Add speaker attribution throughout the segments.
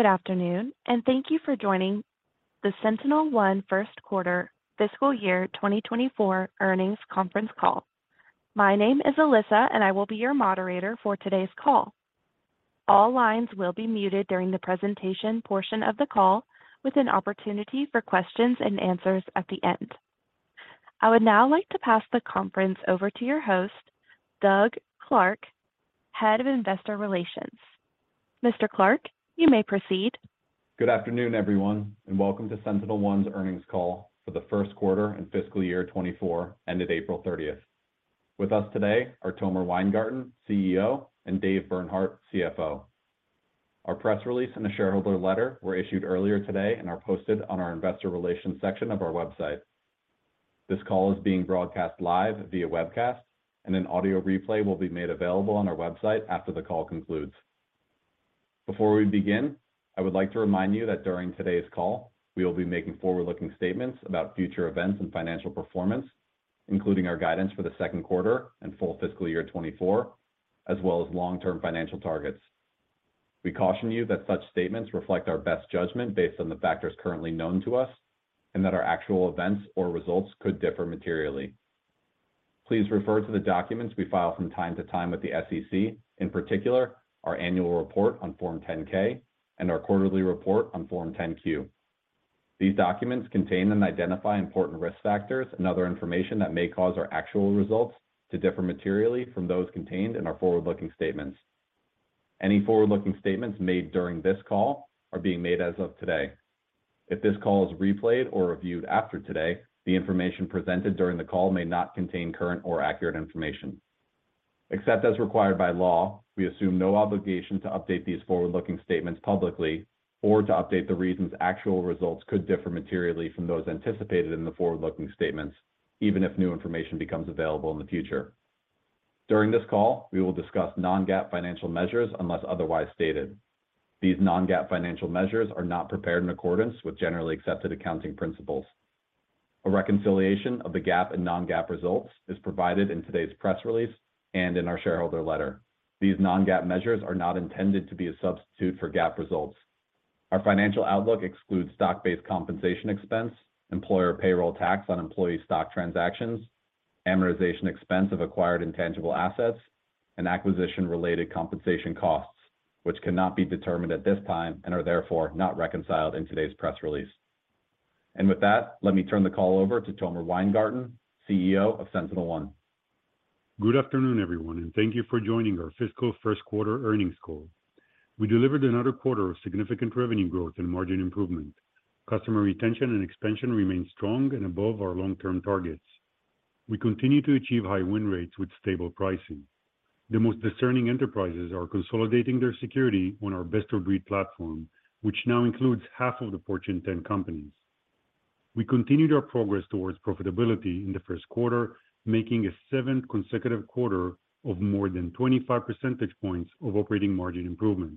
Speaker 1: Good afternoon. Thank you for joining the SentinelOne First Quarter Fiscal Year 2024 Earnings Conference Call. My name is Elissa. I will be your Moderator for today's call. All lines will be muted during the presentation portion of the call, with an opportunity for questions and answers at the end. I would now like to pass the conference over to your host, Doug Clark, Head of Investor Relations. Mr. Clark, you may proceed.
Speaker 2: Good afternoon, everyone, and welcome to SentinelOne's earnings call for the first quarter and fiscal year 2024, ended April 30th. With us today are Tomer Weingarten, CEO, and Dave Bernhardt, CFO. Our press release and the shareholder letter were issued earlier today and are posted on our investor relations section of our website. This call is being broadcast live via webcast, and an audio replay will be made available on our website after the call concludes. Before we begin, I would like to remind you that during today's call, we will be making forward-looking statements about future events and financial performance, including our guidance for the second quarter and full fiscal year 2024, as well as long-term financial targets. We caution you that such statements reflect our best judgment based on the factors currently known to us, and that our actual events or results could differ materially. Please refer to the documents we file from time to time with the SEC, in particular, our annual report on Form 10-K and our quarterly report on Form 10-Q. These documents contain and identify important risk factors and other information that may cause our actual results to differ materially from those contained in our forward-looking statements. Any forward-looking statements made during this call are being made as of today. If this call is replayed or reviewed after today, the information presented during the call may not contain current or accurate information. Except as required by law, we assume no obligation to update these forward-looking statements publicly or to update the reasons actual results could differ materially from those anticipated in the forward-looking statements, even if new information becomes available in the future. During this call, we will discuss non-GAAP financial measures unless otherwise stated. These non-GAAP financial measures are not prepared in accordance with generally accepted accounting principles. A reconciliation of the GAAP and non-GAAP results is provided in today's press release and in our shareholder letter. These non-GAAP measures are not intended to be a substitute for GAAP results. Our financial outlook excludes stock-based compensation expense, employer payroll tax on employee stock transactions, amortization expense of acquired intangible assets, and acquisition-related compensation costs, which cannot be determined at this time and are therefore not reconciled in today's press release. With that, let me turn the call over to Tomer Weingarten, CEO of SentinelOne.
Speaker 3: Good afternoon, everyone, thank you for joining our fiscal first quarter earnings call. We delivered another quarter of significant revenue growth and margin improvement. Customer retention and expansion remains strong and above our long-term targets. We continue to achieve high win rates with stable pricing. The most discerning enterprises are consolidating their security on our best-of-breed platform, which now includes half of the Fortune 10 companies. We continued our progress towards profitability in the first quarter, making a seventh consecutive quarter of more than 25 percentage points of operating margin improvement.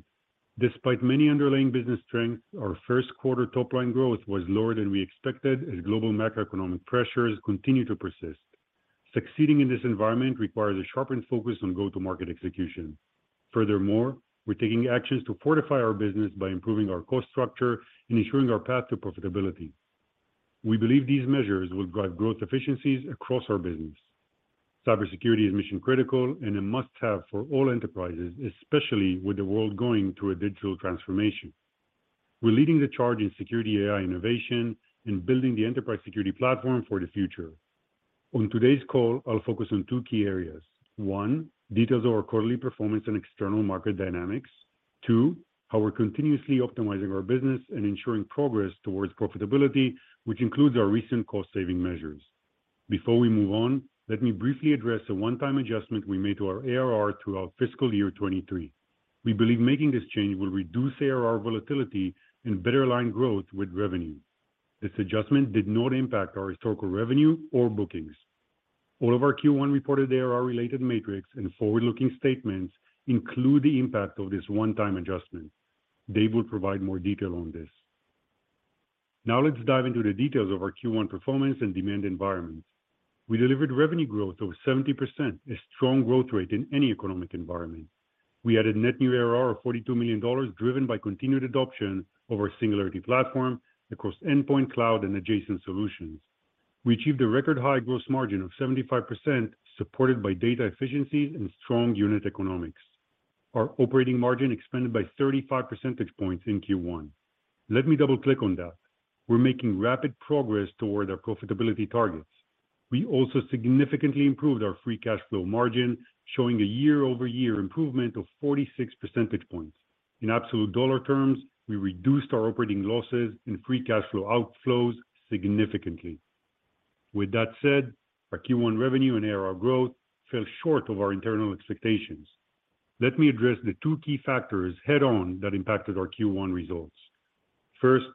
Speaker 3: Despite many underlying business strengths, our first quarter top-line growth was lower than we expected as global macroeconomic pressures continue to persist. Succeeding in this environment requires a sharpened focus on go-to-market execution. Furthermore, we're taking actions to fortify our business by improving our cost structure and ensuring our path to profitability. We believe these measures will drive growth efficiencies across our business. Cybersecurity is mission-critical and a must-have for all enterprises, especially with the world going through a digital transformation. We're leading the charge in security AI innovation and building the enterprise security platform for the future. On today's call, I'll focus on two key areas. One, details of our quarterly performance and external market dynamics. Two, how we're continuously optimizing our business and ensuring progress towards profitability, which includes our recent cost-saving measures. Before we move on, let me briefly address a one-time adjustment we made to our ARR throughout fiscal year 2023. We believe making this change will reduce ARR volatility and better align growth with revenue. This adjustment did not impact our historical revenue or bookings. All of our Q1 reported ARR-related metrics and forward-looking statements include the impact of this one-time adjustment. Dave will provide more detail on this. Let's dive into the details of our Q1 performance and demand environment. We delivered revenue growth over 70%, a strong growth rate in any economic environment. We added net new ARR of $42 million, driven by continued adoption of our Singularity Platform across endpoint, cloud, and adjacent solutions. We achieved a record-high gross margin of 75%, supported by data efficiencies and strong unit economics. Our operating margin expanded by 35 percentage points in Q1. Let me double-click on that. We're making rapid progress toward our profitability targets. We also significantly improved our free cash flow margin, showing a year-over-year improvement of 46 percentage points. In absolute dollar terms, we reduced our operating losses and free cash flow outflows significantly. Our Q1 revenue and ARR growth fell short of our internal expectations. Let me address the two key factors head-on that impacted our Q1 results. First,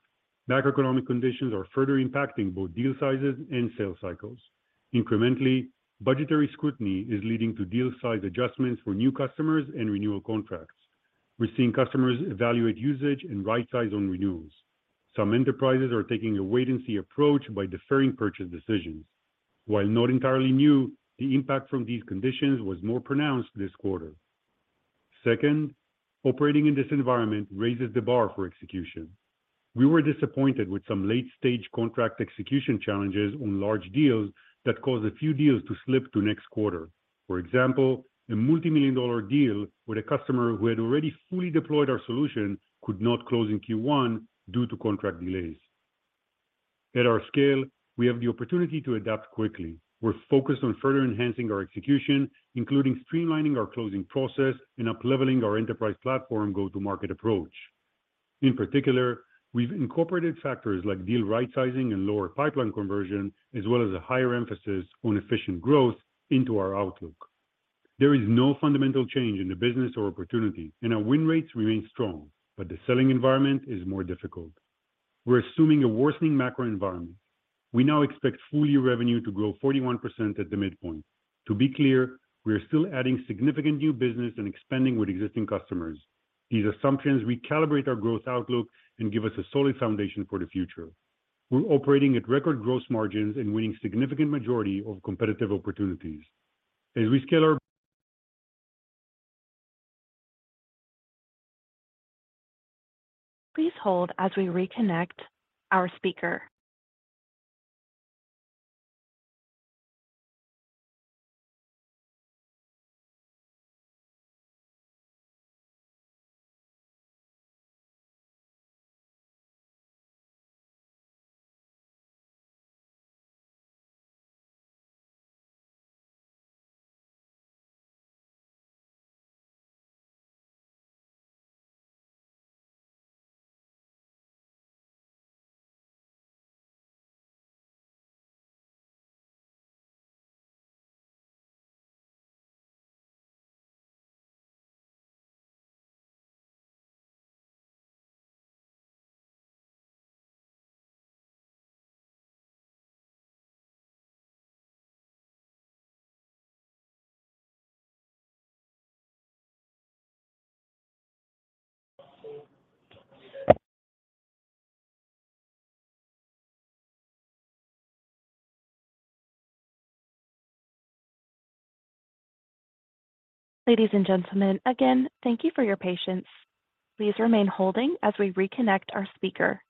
Speaker 3: macroeconomic conditions are further impacting both deal sizes and sales cycles. Incrementally, budgetary scrutiny is leading to deal size adjustments for new customers and renewal contracts. We're seeing customers evaluate usage and rightsize on renewals. Some enterprises are taking a wait-and-see approach by deferring purchase decisions. While not entirely new, the impact from these conditions was more pronounced this quarter. Second, operating in this environment raises the bar for execution. We were disappointed with some late-stage contract execution challenges on large deals that caused a few deals to slip to next quarter. For example, a multimillion-dollar deal with a customer who had already fully deployed our solution could not close in Q1 due to contract delays. At our scale, we have the opportunity to adapt quickly. We're focused on further enhancing our execution, including streamlining our closing process and up-leveling our enterprise platform go-to-market approach. In particular, we've incorporated factors like deal right sizing and lower pipeline conversion, as well as a higher emphasis on efficient growth into our outlook. There is no fundamental change in the business or opportunity, and our win rates remain strong, but the selling environment is more difficult. We're assuming a worsening macro environment. We now expect full-year revenue to grow 41% at the midpoint. To be clear, we are still adding significant new business and expanding with existing customers. These assumptions recalibrate our growth outlook and give us a solid foundation for the future. We're operating at record gross margins and winning significant majority of competitive opportunities. As we scale
Speaker 1: Please hold as we reconnect our speaker. Ladies and gentlemen, again, thank you for your patience. Please remain holding as we reconnect our speaker.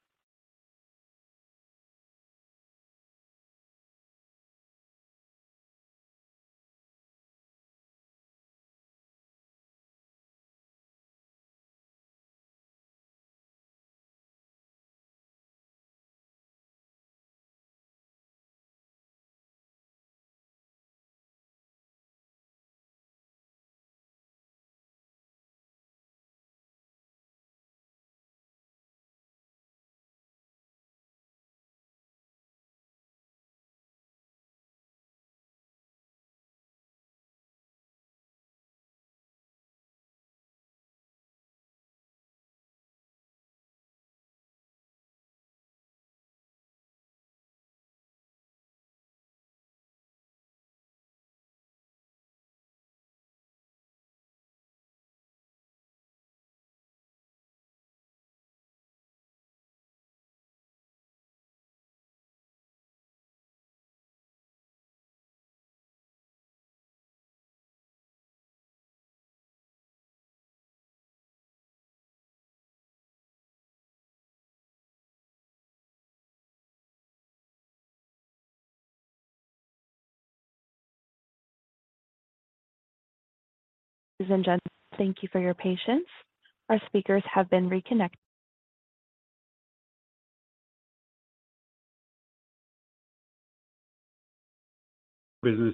Speaker 3: Business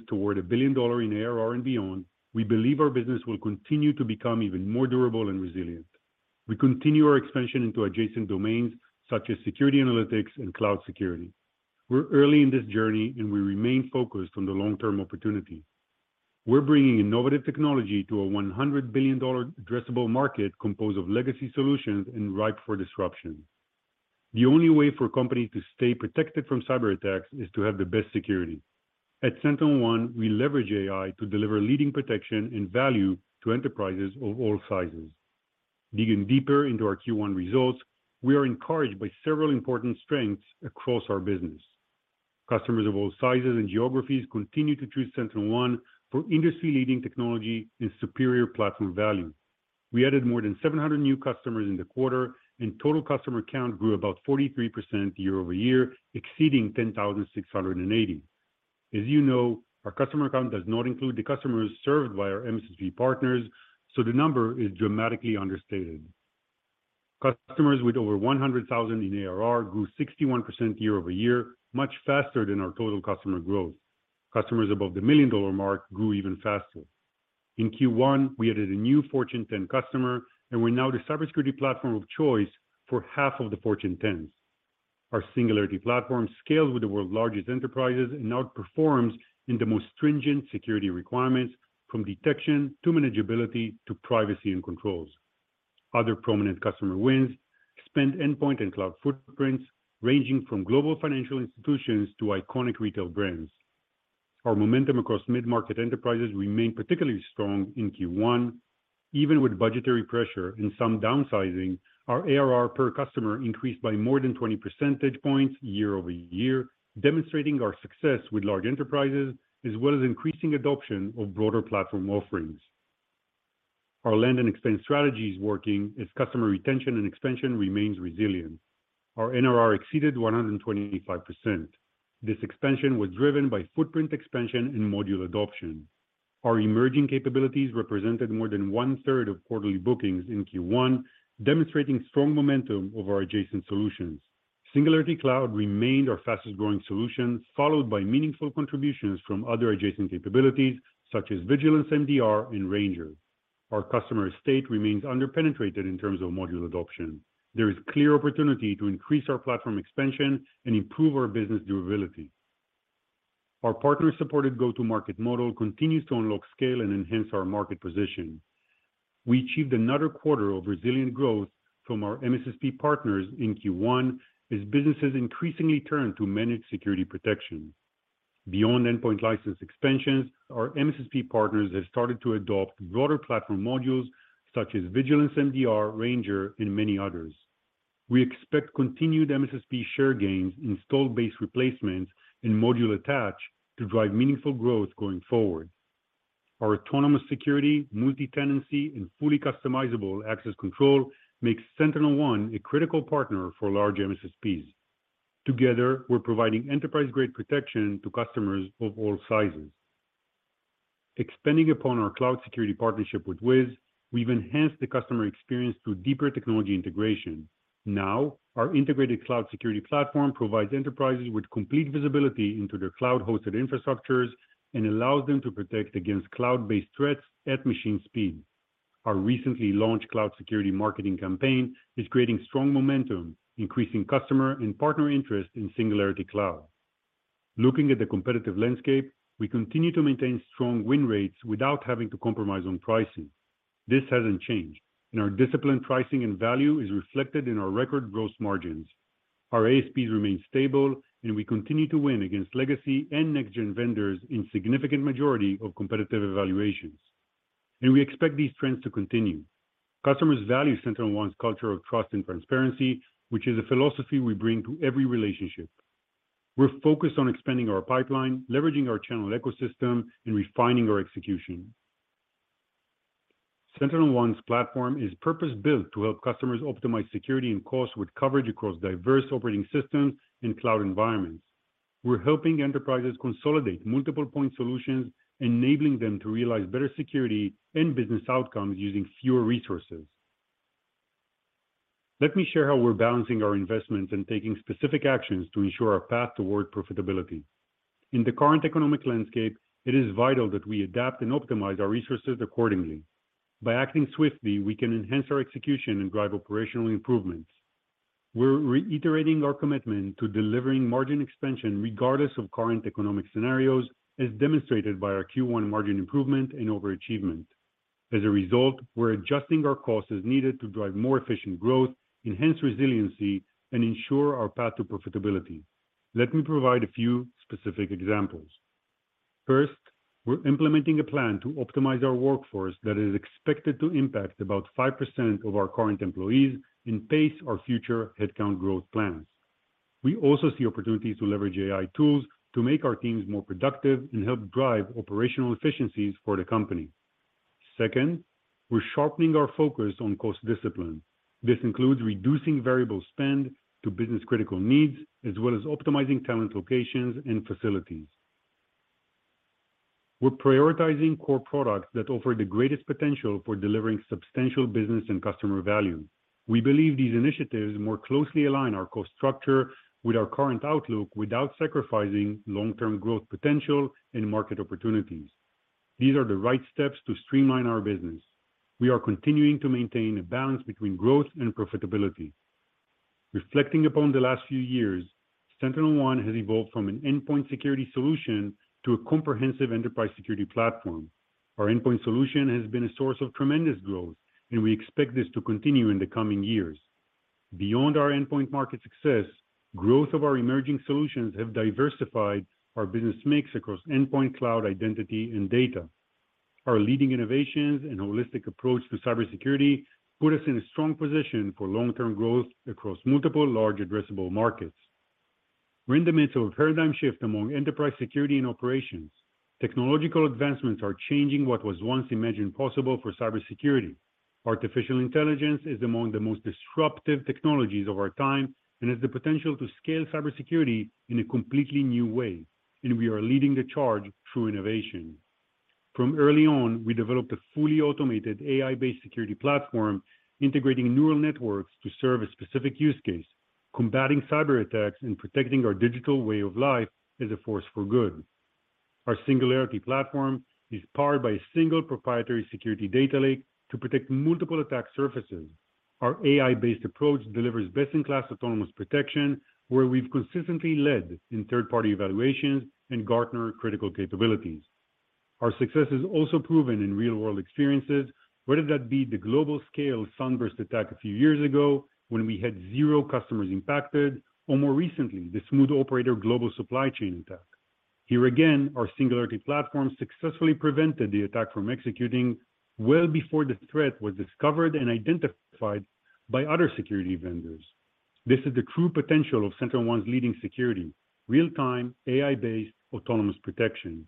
Speaker 3: toward a billion-dollar in ARR and beyond, we believe our business will continue to become even more durable and resilient. We continue our expansion into adjacent domains such as security analytics and cloud security. We're early in this journey, and we remain focused on the long-term opportunity. We're bringing innovative technology to a $100 billion addressable market composed of legacy solutions and ripe for disruption. The only way for a company to stay protected from cyberattacks is to have the best security. At SentinelOne, we leverage AI to deliver leading protection and value to enterprises of all sizes. Digging deeper into our Q1 results, we are encouraged by several important strengths across our business. Customers of all sizes and geographies continue to choose SentinelOne for industry-leading technology and superior platform value. We added more than 700 new customers in the quarter, and total customer count grew about 43% year-over-year, exceeding 10,680. As you know, our customer count does not include the customers served by our MSSP partners, so the number is dramatically understated. Customers with over $100,000 in ARR grew 61% year-over-year, much faster than our total customer growth. Customers above the million-dollar mark grew even faster. In Q1, we added a new Fortune 10 customer, and we're now the cybersecurity platform of choice for half of the Fortune 10. Our Singularity Platform scales with the world's largest enterprises and outperforms in the most stringent security requirements, from detection to manageability to privacy and controls. Other prominent customer wins span endpoint and cloud footprints, ranging from global financial institutions to iconic retail brands. Our momentum across mid-market enterprises remained particularly strong in Q1. Even with budgetary pressure and some downsizing, our ARR per customer increased by more than 20 percentage points year-over-year, demonstrating our success with large enterprises, as well as increasing adoption of broader platform offerings. Our land and expand strategy is working as customer retention and expansion remains resilient. Our NRR exceeded 125%. This expansion was driven by footprint expansion and module adoption. Our emerging capabilities represented more than 1/3 of quarterly bookings in Q1, demonstrating strong momentum of our adjacent solutions. Singularity Cloud remained our fastest-growing solution, followed by meaningful contributions from other adjacent capabilities such as Vigilance MDR, and Ranger. Our customer estate remains under-penetrated in terms of module adoption. There is clear opportunity to increase our platform expansion and improve our business durability. Our partner-supported go-to-market model continues to unlock scale and enhance our market position. We achieved another quarter of resilient growth from our MSSP partners in Q1 as businesses increasingly turn to managed security protection. Beyond endpoint license expansions, our MSSP partners have started to adopt broader platform modules such as Vigilance MDR, Ranger, and many others. We expect continued MSSP share gains, installed base replacements, and module attach to drive meaningful growth going forward. Our autonomous security, multi-tenancy, and fully customizable access control makes SentinelOne a critical partner for large MSSPs. Together, we're providing enterprise-grade protection to customers of all sizes. Expanding upon our cloud security partnership with Wiz, we've enhanced the customer experience through deeper technology integration. Now, our integrated cloud security platform provides enterprises with complete visibility into their cloud-hosted infrastructures and allows them to protect against cloud-based threats at machine speed. Our recently launched cloud security marketing campaign is creating strong momentum, increasing customer and partner interest in Singularity Cloud. Looking at the competitive landscape, we continue to maintain strong win rates without having to compromise on pricing. This hasn't changed. Our disciplined pricing and value is reflected in our record gross margins. Our ASPs remain stable, we continue to win against legacy and next-gen vendors in significant majority of competitive evaluations, and we expect these trends to continue. Customers value SentinelOne's culture of trust and transparency, which is a philosophy we bring to every relationship. We're focused on expanding our pipeline, leveraging our channel ecosystem, and refining our execution. SentinelOne's platform is purpose-built to help customers optimize security and cost, with coverage across diverse operating systems and cloud environments. We're helping enterprises consolidate multiple point solutions, enabling them to realize better security and business outcomes using fewer resources. Let me share how we're balancing our investments and taking specific actions to ensure our path toward profitability. In the current economic landscape, it is vital that we adapt and optimize our resources accordingly. By acting swiftly, we can enhance our execution and drive operational improvements. We're reiterating our commitment to delivering margin expansion regardless of current economic scenarios, as demonstrated by our Q1 margin improvement and overachievement. We're adjusting our costs as needed to drive more efficient growth, enhance resiliency, and ensure our path to profitability. Let me provide a few specific examples. First, we're implementing a plan to optimize our workforce that is expected to impact about 5% of our current employees and pace our future headcount growth plans. We also see opportunities to leverage AI tools to make our teams more productive and help drive operational efficiencies for the company. Second, we're sharpening our focus on cost discipline. This includes reducing variable spend to business-critical needs, as well as optimizing talent locations and facilities. We're prioritizing core products that offer the greatest potential for delivering substantial business and customer value. We believe these initiatives more closely align our cost structure with our current outlook, without sacrificing long-term growth potential and market opportunities. These are the right steps to streamline our business. We are continuing to maintain a balance between growth and profitability. Reflecting upon the last few years, SentinelOne has evolved from an endpoint security solution to a comprehensive enterprise security platform. Our endpoint solution has been a source of tremendous growth, and we expect this to continue in the coming years. Beyond our endpoint market success, growth of our emerging solutions have diversified our business mix across endpoint, cloud, identity, and data. Our leading innovations and holistic approach to cybersecurity put us in a strong position for long-term growth across multiple large addressable markets. We're in the midst of a paradigm shift among enterprise security and operations. Technological advancements are changing what was once imagined possible for cybersecurity. Artificial intelligence is among the most disruptive technologies of our time and has the potential to scale cybersecurity in a completely new way, and we are leading the charge through innovation. From early on, we developed a fully automated AI-based security platform, integrating neural networks to serve a specific use case: combating cyberattacks and protecting our digital way of life as a force for good. Our Singularity Platform is powered by a single proprietary security data lake to protect multiple attack surfaces. Our AI-based approach delivers best-in-class autonomous protection, where we've consistently led in third-party evaluations and Gartner-critical capabilities. Our success is also proven in real-world experiences, whether that be the global scale SUNBURST attack a few years ago when we had zero customers impacted, or more recently, the SmoothOperator global supply chain attack. Here again, our Singularity Platform successfully prevented the attack from executing well before the threat was discovered and identified by other security vendors. This is the true potential of SentinelOne's leading security, real-time, AI-based, autonomous protection.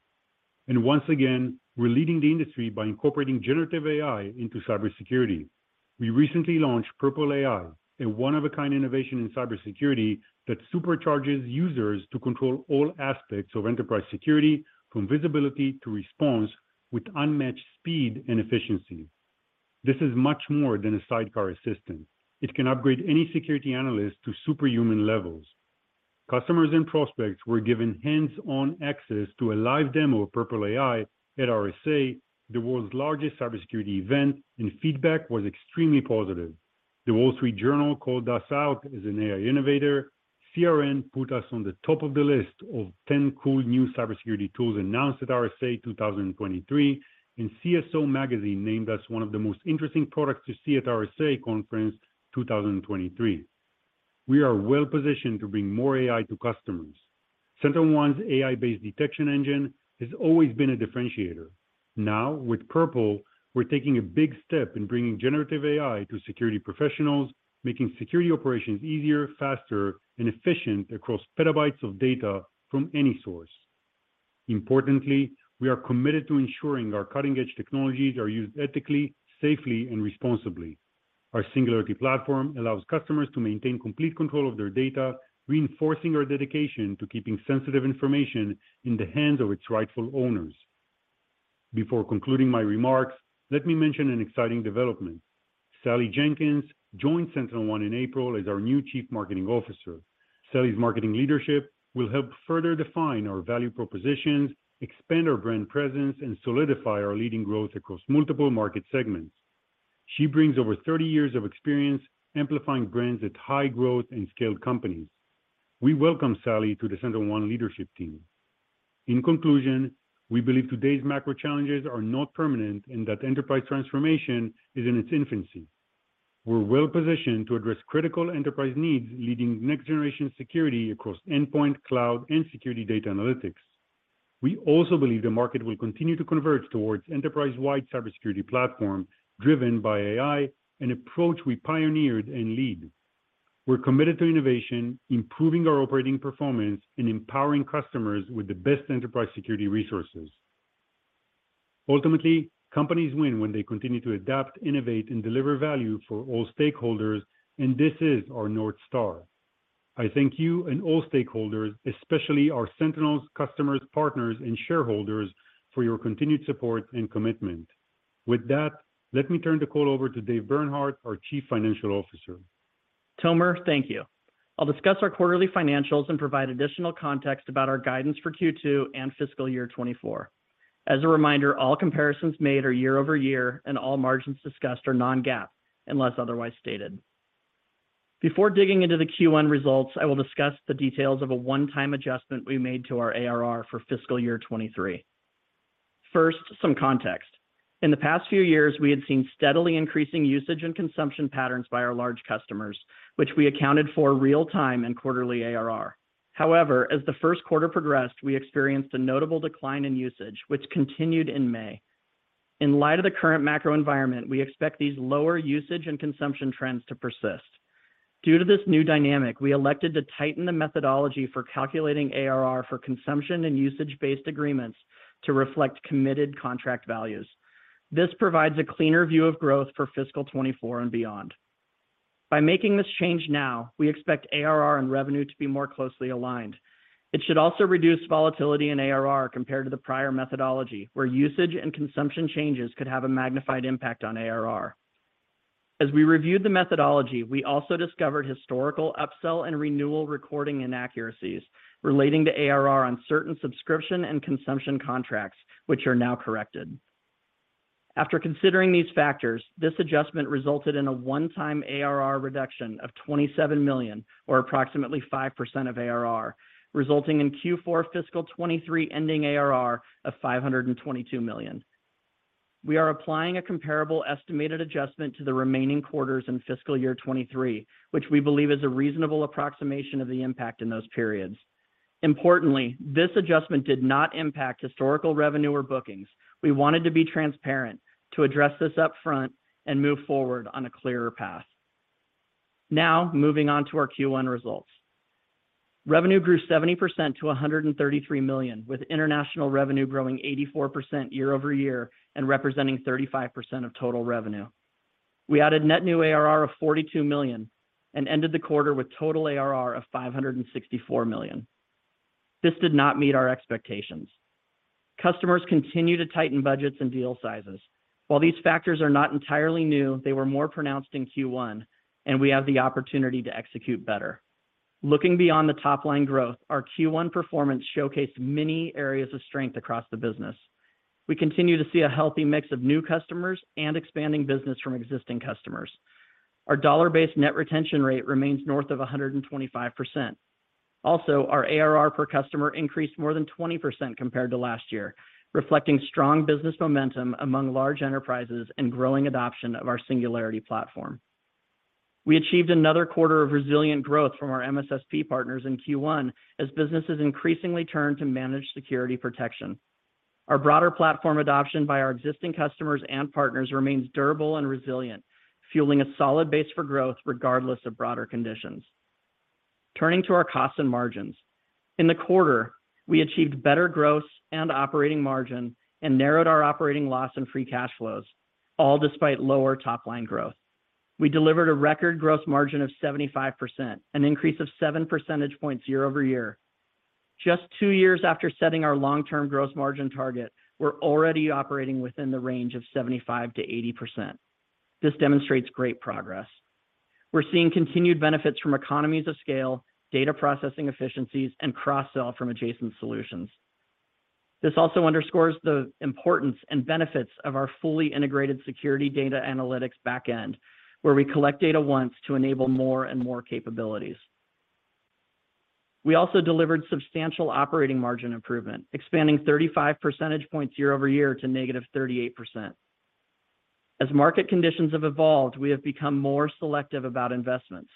Speaker 3: Once again, we're leading the industry by incorporating generative AI into cybersecurity. We recently launched Purple AI, a one-of-a-kind innovation in cybersecurity that supercharges users to control all aspects of enterprise security, from visibility to response, with unmatched speed and efficiency. This is much more than a sidecar assistant. It can upgrade any security analyst to superhuman levels. Customers and prospects were given hands-on access to a live demo of Purple AI at RSA, the world's largest cybersecurity event, and feedback was extremely positive. The Wall Street Journal called us out as an AI innovator. CRN put us on the top of the list of 10 cool new cybersecurity tools announced at RSAC 2023, and CSO Magazine named us one of the most interesting products to see at RSA Conference 2023. We are well-positioned to bring more AI to customers. SentinelOne's AI-based detection engine has always been a differentiator. Now, with Purple, we're taking a big step in bringing generative AI to security professionals, making security operations easier, faster, and efficient across petabytes of data from any source. Importantly, we are committed to ensuring our cutting-edge technologies are used ethically, safely, and responsibly. Our Singularity Platform allows customers to maintain complete control of their data, reinforcing our dedication to keeping sensitive information in the hands of its rightful owners. Before concluding my remarks, let me mention an exciting development. Sally Jenkins joined SentinelOne in April as our new Chief Marketing Officer. Sally's marketing leadership will help further define our value propositions, expand our brand presence, and solidify our leading growth across multiple market segments. She brings over 30 years of experience amplifying brands at high-growth and scaled companies. We welcome Sally to the SentinelOne leadership team. In conclusion, we believe today's macro challenges are not permanent and that enterprise transformation is in its infancy. We're well-positioned to address critical enterprise needs, leading next-generation security across endpoint, cloud, and security data analytics. We also believe the market will continue to converge towards enterprise-wide cybersecurity platform driven by AI, an approach we pioneered and lead. We're committed to innovation, improving our operating performance, and empowering customers with the best enterprise security resources. Ultimately, companies win when they continue to adapt, innovate, and deliver value for all stakeholders. This is our North Star. I thank you and all stakeholders, especially our Sentinels, customers, partners, and shareholders, for your continued support and commitment. With that, let me turn the call over to Dave Bernhardt, our Chief Financial Officer.
Speaker 4: Tomer, thank you. I'll discuss our quarterly financials and provide additional context about our guidance for Q2 and fiscal year 2024. As a reminder, all comparisons made are year-over-year, and all margins discussed are non-GAAP, unless otherwise stated. Before digging into the Q1 results, I will discuss the details of a one-time adjustment we made to our ARR for fiscal year 2023. First, some context. In the past few years, we had seen steadily increasing usage and consumption patterns by our large customers, which we accounted for real time in quarterly ARR. As the first quarter progressed, we experienced a notable decline in usage, which continued in May. In light of the current macro environment, we expect these lower usage and consumption trends to persist. Due to this new dynamic, we elected to tighten the methodology for calculating ARR for consumption and usage-based agreements to reflect committed contract values. This provides a cleaner view of growth for fiscal 2024 and beyond. By making this change now, we expect ARR and revenue to be more closely aligned. It should also reduce volatility in ARR compared to the prior methodology, where usage and consumption changes could have a magnified impact on ARR. As we reviewed the methodology, we also discovered historical upsell and renewal recording inaccuracies relating to ARR on certain subscription and consumption contracts, which are now corrected. After considering these factors, this adjustment resulted in a one-time ARR reduction of $27 million, or approximately 5% of ARR, resulting in Q4 fiscal 2023 ending ARR of $522 million. We are applying a comparable estimated adjustment to the remaining quarters in fiscal year 2023, which we believe is a reasonable approximation of the impact in those periods. Importantly, this adjustment did not impact historical revenue or bookings. We wanted to be transparent to address this upfront and move forward on a clearer path. Now, moving on to our Q1 results. Revenue grew 70% to $133 million, with international revenue growing 84% year-over-year and representing 35% of total revenue. We added net new ARR of $42 million and ended the quarter with total ARR of $564 million. This did not meet our expectations. Customers continue to tighten budgets and deal sizes. While these factors are not entirely new, they were more pronounced in Q1, and we have the opportunity to execute better. Looking beyond the top-line growth, our Q1 performance showcased many areas of strength across the business. We continue to see a healthy mix of new customers and expanding business from existing customers. Our dollar-based net retention rate remains north of 125%. Our ARR per customer increased more than 20% compared to last year, reflecting strong business momentum among large enterprises and growing adoption of our Singularity Platform. We achieved another quarter of resilient growth from our MSSP partners in Q1 as businesses increasingly turn to managed security protection. Our broader platform adoption by our existing customers and partners remains durable and resilient, fueling a solid base for growth regardless of broader conditions. Turning to our costs and margins. In the quarter, we achieved better gross and operating margin and narrowed our operating loss and free cash flows, all despite lower top-line growth. We delivered a record gross margin of 75%, an increase of 7 percentage points year-over-year. Just two years after setting our long-term gross margin target, we're already operating within the range of 75%-80%. This demonstrates great progress. We're seeing continued benefits from economies of scale, data processing efficiencies, and cross-sell from adjacent solutions. This also underscores the importance and benefits of our fully integrated security data analytics back-end, where we collect data once to enable more and more capabilities. We also delivered substantial operating margin improvement, expanding 35 percentage points year-over-year to -38%. As market conditions have evolved, we have become more selective about investments.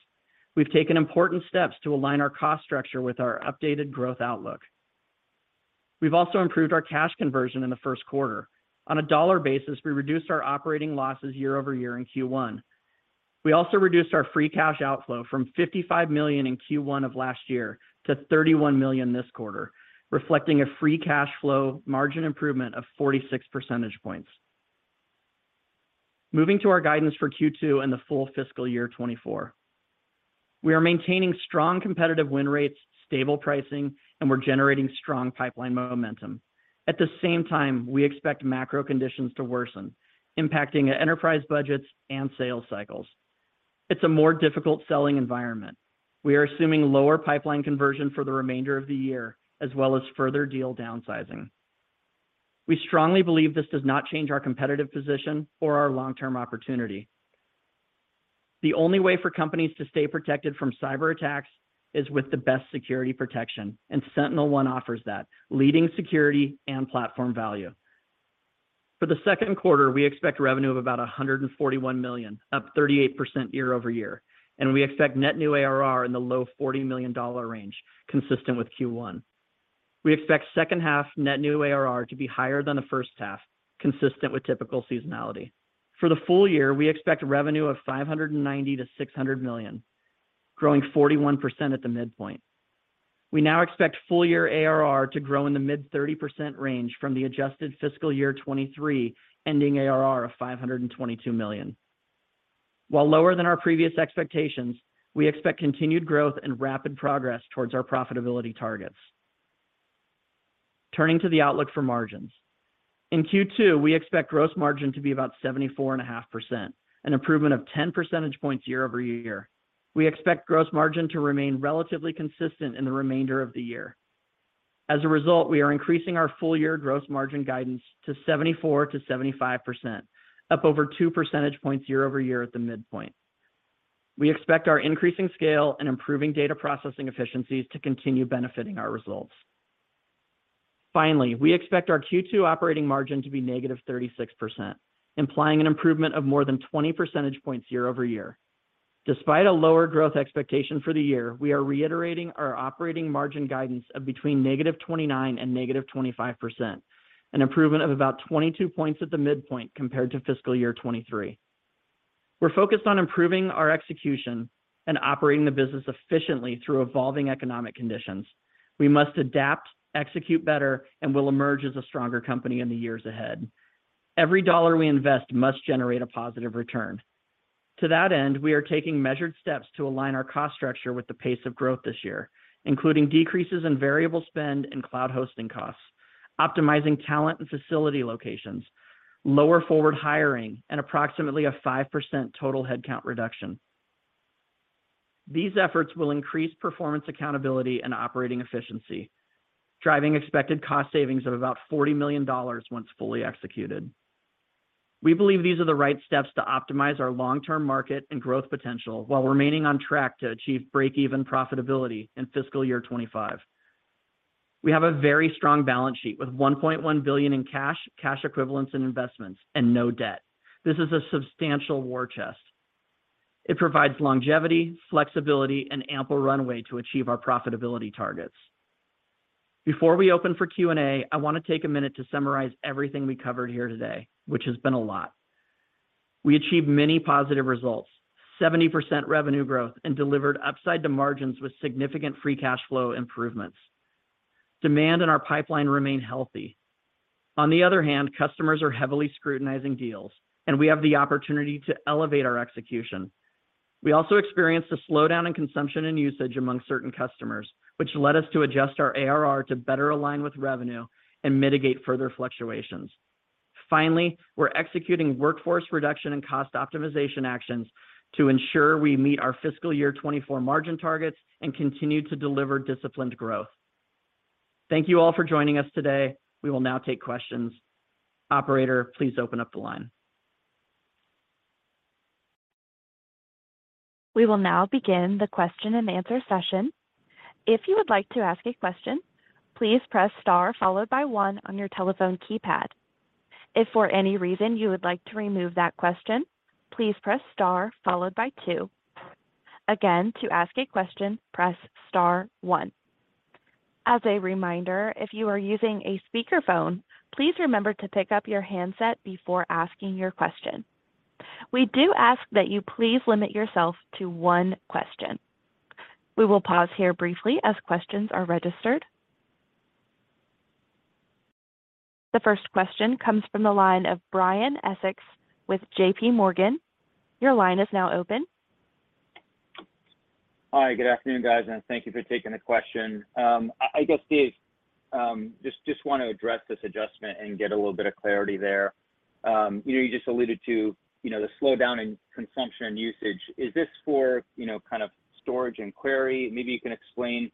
Speaker 4: We've taken important steps to align our cost structure with our updated growth outlook. We've also improved our cash conversion in the first quarter. On a dollar basis, we reduced our operating losses year-over-year in Q1. We also reduced our free cash outflow from $55 million in Q1 of last year to $31 million this quarter, reflecting a free cash flow margin improvement of 46 percentage points. Moving to our guidance for Q2 and the full fiscal year 2024. We are maintaining strong competitive win rates, stable pricing, and we're generating strong pipeline momentum. At the same time, we expect macro conditions to worsen, impacting enterprise budgets and sales cycles. It's a more difficult selling environment. We are assuming lower pipeline conversion for the remainder of the year, as well as further deal downsizing. We strongly believe this does not change our competitive position or our long-term opportunity. The only way for companies to stay protected from cyberattacks is with the best security protection, and SentinelOne offers that, leading security and platform value. For the second quarter, we expect revenue of about $141 million, up 38% year-over-year, and we expect net new ARR in the low $40 million range, consistent with Q1. We expect second half net new ARR to be higher than the first half, consistent with typical seasonality. For the full year, we expect revenue of $590 million-$600 million, growing 41% at the midpoint. We now expect full year ARR to grow in the mid-30% range from the adjusted fiscal year 2023, ending ARR of $522 million. While lower than our previous expectations, we expect continued growth and rapid progress towards our profitability targets. Turning to the outlook for margins. In Q2, we expect gross margin to be about 74.5%, an improvement of 10 percentage points year-over-year. We expect gross margin to remain relatively consistent in the remainder of the year. As a result, we are increasing our full-year gross margin guidance to 74%-75%, up over 2 percentage points year-over-year at the midpoint. We expect our increasing scale and improving data processing efficiencies to continue benefiting our results. Finally, we expect our Q2 operating margin to be -36%, implying an improvement of more than 20 percentage points year-over-year. Despite a lower growth expectation for the year, we are reiterating our operating margin guidance of between -29% and -25%, an improvement of about 22 points at the midpoint compared to fiscal year 2023. We're focused on improving our execution and operating the business efficiently through evolving economic conditions. We must adapt, execute better, and will emerge as a stronger company in the years ahead. Every dollar we invest must generate a positive return. To that end, we are taking measured steps to align our cost structure with the pace of growth this year, including decreases in variable spend and cloud hosting costs, optimizing talent and facility locations, lower forward hiring, and approximately a 5% total headcount reduction. These efforts will increase performance, accountability, and operating efficiency, driving expected cost savings of about $40 million once fully executed. We believe these are the right steps to optimize our long-term market and growth potential while remaining on track to achieve break-even profitability in fiscal year 2025. We have a very strong balance sheet with $1.1 billion in cash equivalents in investments, and no debt. This is a substantial war chest. It provides longevity, flexibility, and ample runway to achieve our profitability targets. Before we open for Q&A, I want to take a minute to summarize everything we covered here today, which has been a lot. We achieved many positive results, 70% revenue growth, and delivered upside to margins with significant free cash flow improvements. Demand in our pipeline remain healthy. On the other hand, customers are heavily scrutinizing deals, and we have the opportunity to elevate our execution. We also experienced a slowdown in consumption and usage among certain customers, which led us to adjust our ARR to better align with revenue and mitigate further fluctuations. Finally, we're executing workforce reduction and cost optimization actions to ensure we meet our fiscal year 2024 margin targets and continue to deliver disciplined growth. Thank you all for joining us today. We will now take questions. Operator, please open up the line.
Speaker 1: We will now begin the question and answer session. If you would like to ask a question, please press star followed by one on your telephone keypad. If for any reason you would like to remove that question, please press star followed by two. Again, to ask a question, press star one. As a reminder, if you are using a speakerphone, please remember to pick up your handset before asking your question. We do ask that you please limit yourself to one question. We will pause here briefly as questions are registered. The first question comes from the line of Brian Essex with J.P. Morgan. Your line is now open.
Speaker 5: Hi, good afternoon, guys, and thank you for taking the question. I guess, Dave, just want to address this adjustment and get a little bit of clarity there. You know, you just alluded to, you know, the slowdown in consumption and usage. Is this for, you know, kind of storage and query? Maybe you can explain,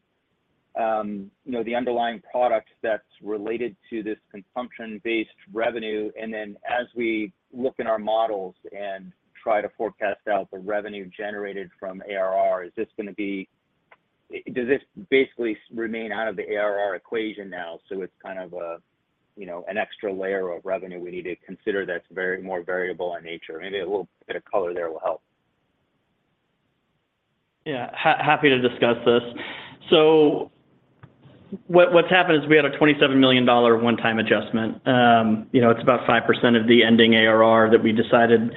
Speaker 5: you know, the underlying products that's related to this consumption-based revenue. As we look in our models and try to forecast out the revenue generated from ARR, does this basically remain out of the ARR equation now, so it's kind of a, you know, an extra layer of revenue we need to consider that's very more variable in nature? Maybe a little bit of color there will help.
Speaker 4: Yeah, happy to discuss this. What's happened is we had a $27 million one-time adjustment. you know, it's about 5% of the ending ARR that we decided,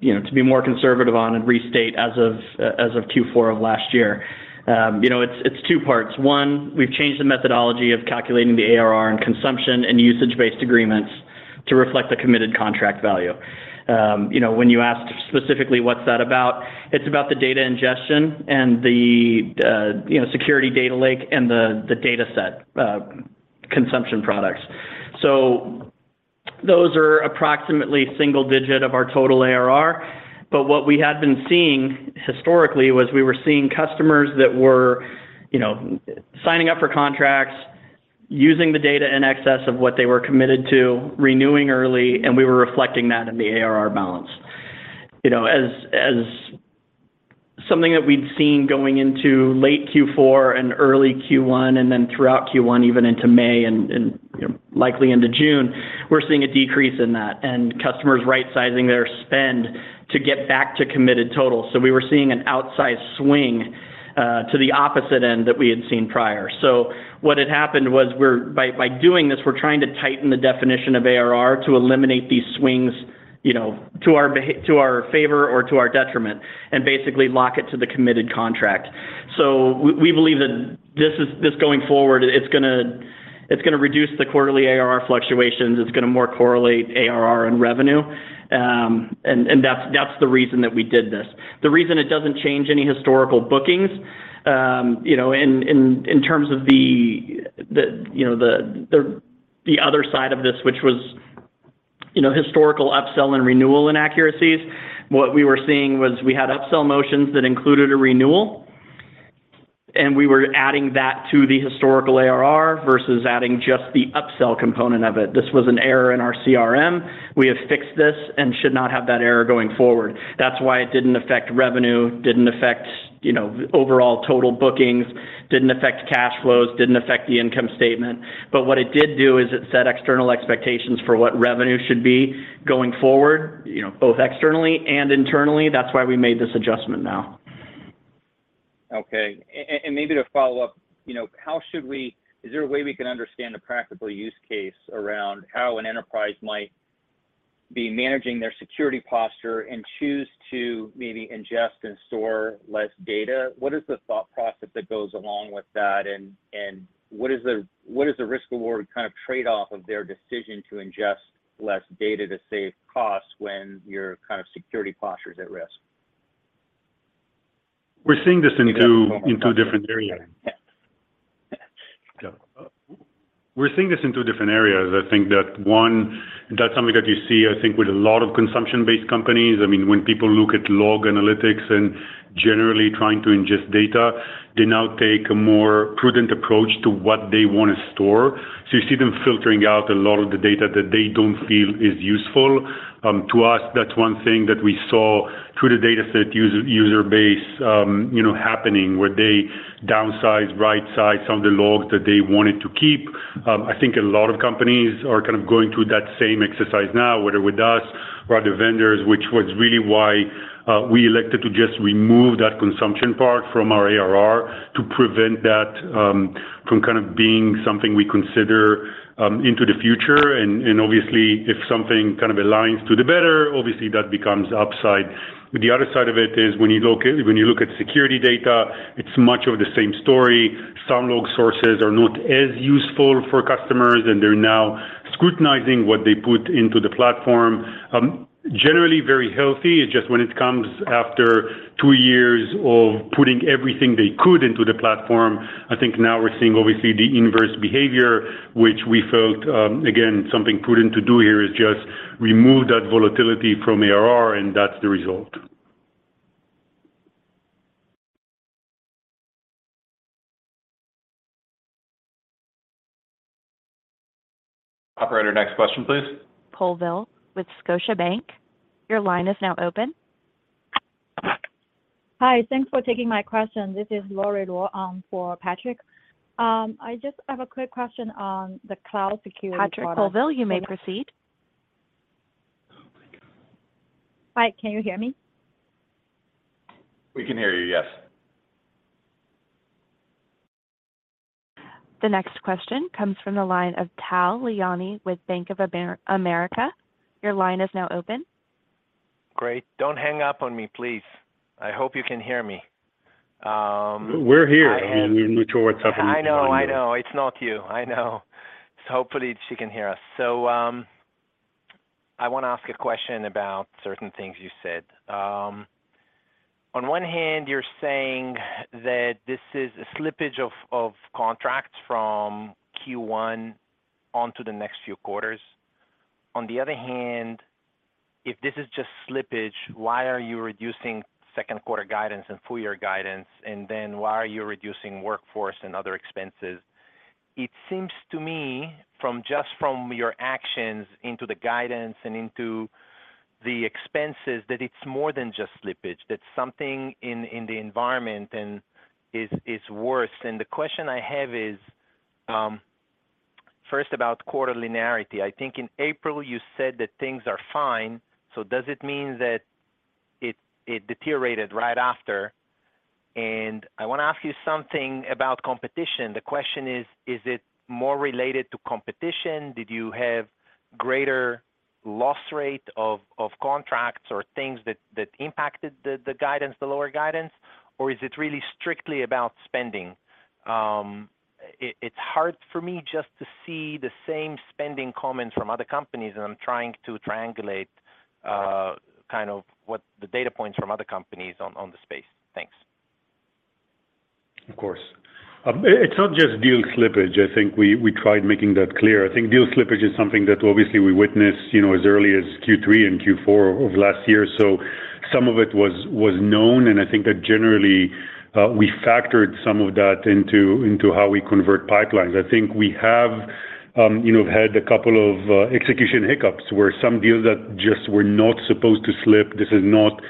Speaker 4: you know, to be more conservative on and restate as of Q4 of last year. you know, it's two parts. One, we've changed the methodology of calculating the ARR and consumption and usage-based agreements to reflect the committed contract value. you know, when you asked specifically, what's that about? It's about the data ingestion and the, you know, security data lake and the DataSet, consumption products. Those are approximately single-digit of our total ARR, but what we had been seeing historically was we were seeing customers that were, you know, signing up for contracts, using the data in excess of what they were committed to, renewing early, and we were reflecting that in the ARR balance. You know, as something that we'd seen going into late Q4 and early Q1, and then throughout Q1, even into May and, you know, likely into June, we're seeing a decrease in that and customers right-sizing their spend to get back to committed total. We were seeing an outsized swing to the opposite end that we had seen prior. What had happened was by doing this, we're trying to tighten the definition of ARR to eliminate these swings, you know, to our favor or to our detriment, and basically lock it to the committed contract. We believe that this is going forward, it's gonna reduce the quarterly ARR fluctuations. It's gonna more correlate ARR and revenue, and that's the reason that we did this. The reason it doesn't change any historical bookings, you know, in terms of the other side of this, which was, you know, historical upsell and renewal inaccuracies. What we were seeing was we had upsell motions that included a renewal, and we were adding that to the historical ARR versus adding just the upsell component of it. This was an error in our CRM. We have fixed this and should not have that error going forward. That's why it didn't affect revenue, didn't affect, you know, overall total bookings, didn't affect cash flows, didn't affect the income statement. What it did do is it set external expectations for what revenue should be going forward, you know, both externally and internally. That's why we made this adjustment now.
Speaker 5: Okay. Maybe to follow up, you know, how should we? Is there a way we can understand the practical use case around how an enterprise might be managing their security posture and choose to maybe ingest and store less data? What is the thought process that goes along with that, and what is the risk-reward kind of trade-off of their decision to ingest less data to save costs when your kind of security posture is at risk?
Speaker 3: We're seeing this in two different areas. We're seeing this in two different areas. I think that one, that's something that you see, I think with a lot of consumption-based companies. I mean, when people look at log analytics and generally trying to ingest data, they now take a more prudent approach to what they want to store. You see them filtering out a lot of the data that they don't feel is useful. To us, that's one thing that we saw through the DataSet user base, you know, happening, where they downsize, right-size some of the logs that they wanted to keep. I think a lot of companies are kind of going through that same exercise now, whether with us or other vendors, which was really why we elected to just remove that consumption part from our ARR to prevent that from kind of being something we consider into the future. Obviously, if something kind of aligns to the better, obviously that becomes upside. The other side of it is when you look at, when you look at security data, it's much of the same story. Some log sources are not as useful for customers, and they're now scrutinizing what they put into the platform. Generally very healthy. It's just when it comes after two years of putting everything they could into the platform, I think now we're seeing obviously the inverse behavior, which we felt, again, something prudent to do here is just remove that volatility from ARR, and that's the result.
Speaker 4: Operator, next question, please.
Speaker 1: Colville, with Scotiabank. Your line is now open.
Speaker 6: Hi, thanks for taking my question. This is Lory Luo for Patrick. I just have a quick question on the cloud security.
Speaker 1: Patrick Colville, you may proceed.
Speaker 6: Hi, can you hear me?
Speaker 3: We can hear you, yes.
Speaker 1: The next question comes from the line of Tal Liani with Bank of America. Your line is now open.
Speaker 7: Great. Don't hang up on me, please. I hope you can hear me.
Speaker 3: We're here. We took our time-
Speaker 7: I know, I know. It's not you. I know. Hopefully she can hear us. I want to ask a question about certain things you said. On one hand, you're saying that this is a slippage of contracts from Q1 on to the next few quarters. On the other hand, if this is just slippage, why are you reducing second quarter guidance and full year guidance? Why are you reducing workforce and other expenses? It seems to me from just from your actions into the guidance and into the expenses, that it's more than just slippage, that something in the environment and is worse. The question I have is, first about quarterly linearity. I think in April you said that things are fine. Does it mean that it deteriorated right after? I want to ask you something about competition. The question is it more related to competition? Did you have greater loss rate of contracts or things that impacted the guidance, the lower guidance, or is it really strictly about spending? It's hard for me just to see the same spending comments from other companies, and I'm trying to triangulate kind of what the data points from other companies on the space. Thanks.
Speaker 3: Of course. It's not just deal slippage. I think we tried making that clear. I think deal slippage is something that obviously we witnessed, you know, as early as Q3 and Q4 of last year. Some of it was known, and I think that generally, we factored some of that into how we convert pipelines. I think we have, you know, had a couple of execution hiccups where some deals that just were not supposed to slip, this is not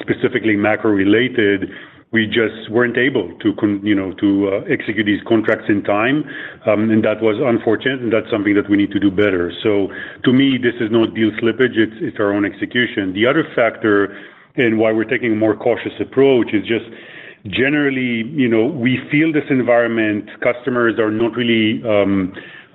Speaker 3: specifically macro-related, we just weren't able to, you know, to execute these contracts in time. And that was unfortunate, and that's something that we need to do better. To me, this is not deal slippage, it's our own execution. The other factor why we're taking a more cautious approach is just generally, you know, we feel this environment, customers are not really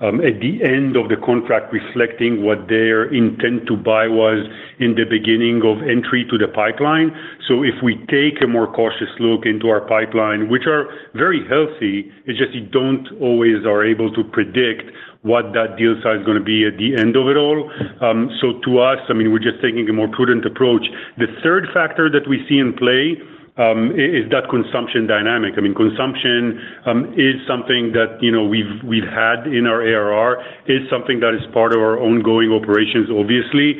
Speaker 3: at the end of the contract reflecting what their intent to buy was in the beginning of entry to the pipeline. If we take a more cautious look into our pipeline, which are very healthy, it's just you don't always are able to predict what that deal size is going to be at the end of it all. To us, I mean, we're just taking a more prudent approach. The third factor that we see in play is that consumption dynamic. I mean, consumption is something that, you know, we've had in our ARR, is something that is part of our ongoing operations, obviously.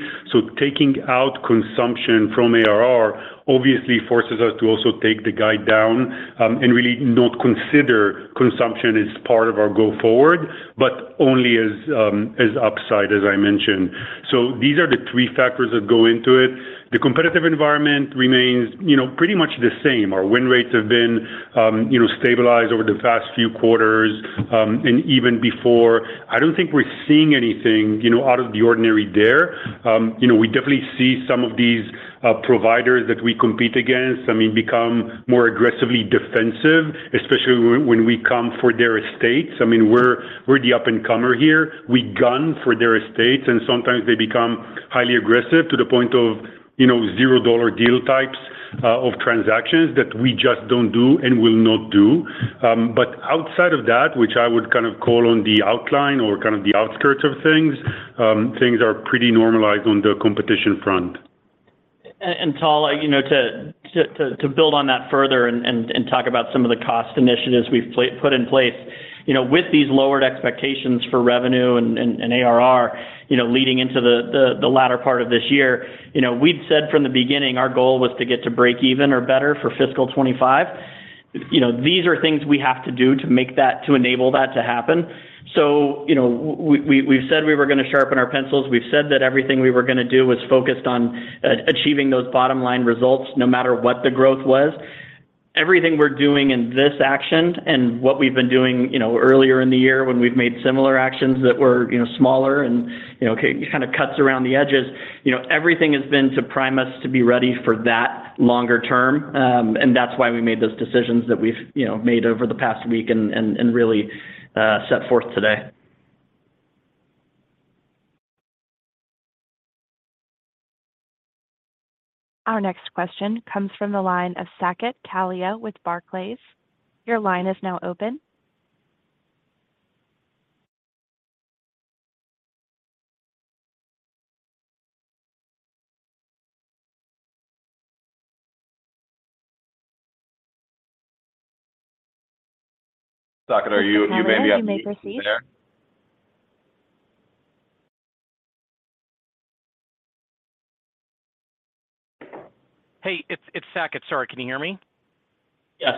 Speaker 3: Taking out consumption from ARR obviously forces us to also take the guide down, and really not consider consumption as part of our go forward, but only as upside, as I mentioned. These are the three factors that go into it. The competitive environment remains, you know, pretty much the same. Our win rates have been, you know, stabilized over the past few quarters, and even before. I don't think we're seeing anything, you know, out of the ordinary there. You know, we definitely see some of these providers that we compete against, I mean, become more aggressively defensive, especially when we come for their estates. I mean, we're the up-and-comer here. We gun for their estates, and sometimes they become highly aggressive to the point of, you know, zero dollar deal types, of transactions that we just don't do and will not do. Outside of that, which I would kind of call on the outline or kind of the outskirts of things are pretty normalized on the competition front.
Speaker 4: Tal, you know, to build on that further and talk about some of the cost initiatives we've put in place. You know, with these lowered expectations for revenue and ARR, you know, leading into the latter part of this year, you know, we've said from the beginning, our goal was to get to break even or better for fiscal 25. You know, these are things we have to do to make that to enable that to happen. You know, we've said we were going to sharpen our pencils. We've said that everything we were going to do was focused on achieving those bottom line results, no matter what the growth was. Everything we're doing in this action and what we've been doing, you know, earlier in the year when we've made similar actions that were, you know, smaller and, you know, kind of cuts around the edges, you know, everything has been to prime us to be ready for that longer term. That's why we made those decisions that we've, you know, made over the past week and really set forth today.
Speaker 1: Our next question comes from the line of Saket Kalia with Barclays. Your line is now open.
Speaker 3: Saket, you may be up.
Speaker 1: You may proceed.
Speaker 8: Hey, it's Saket. Sorry, can you hear me?
Speaker 3: Yes.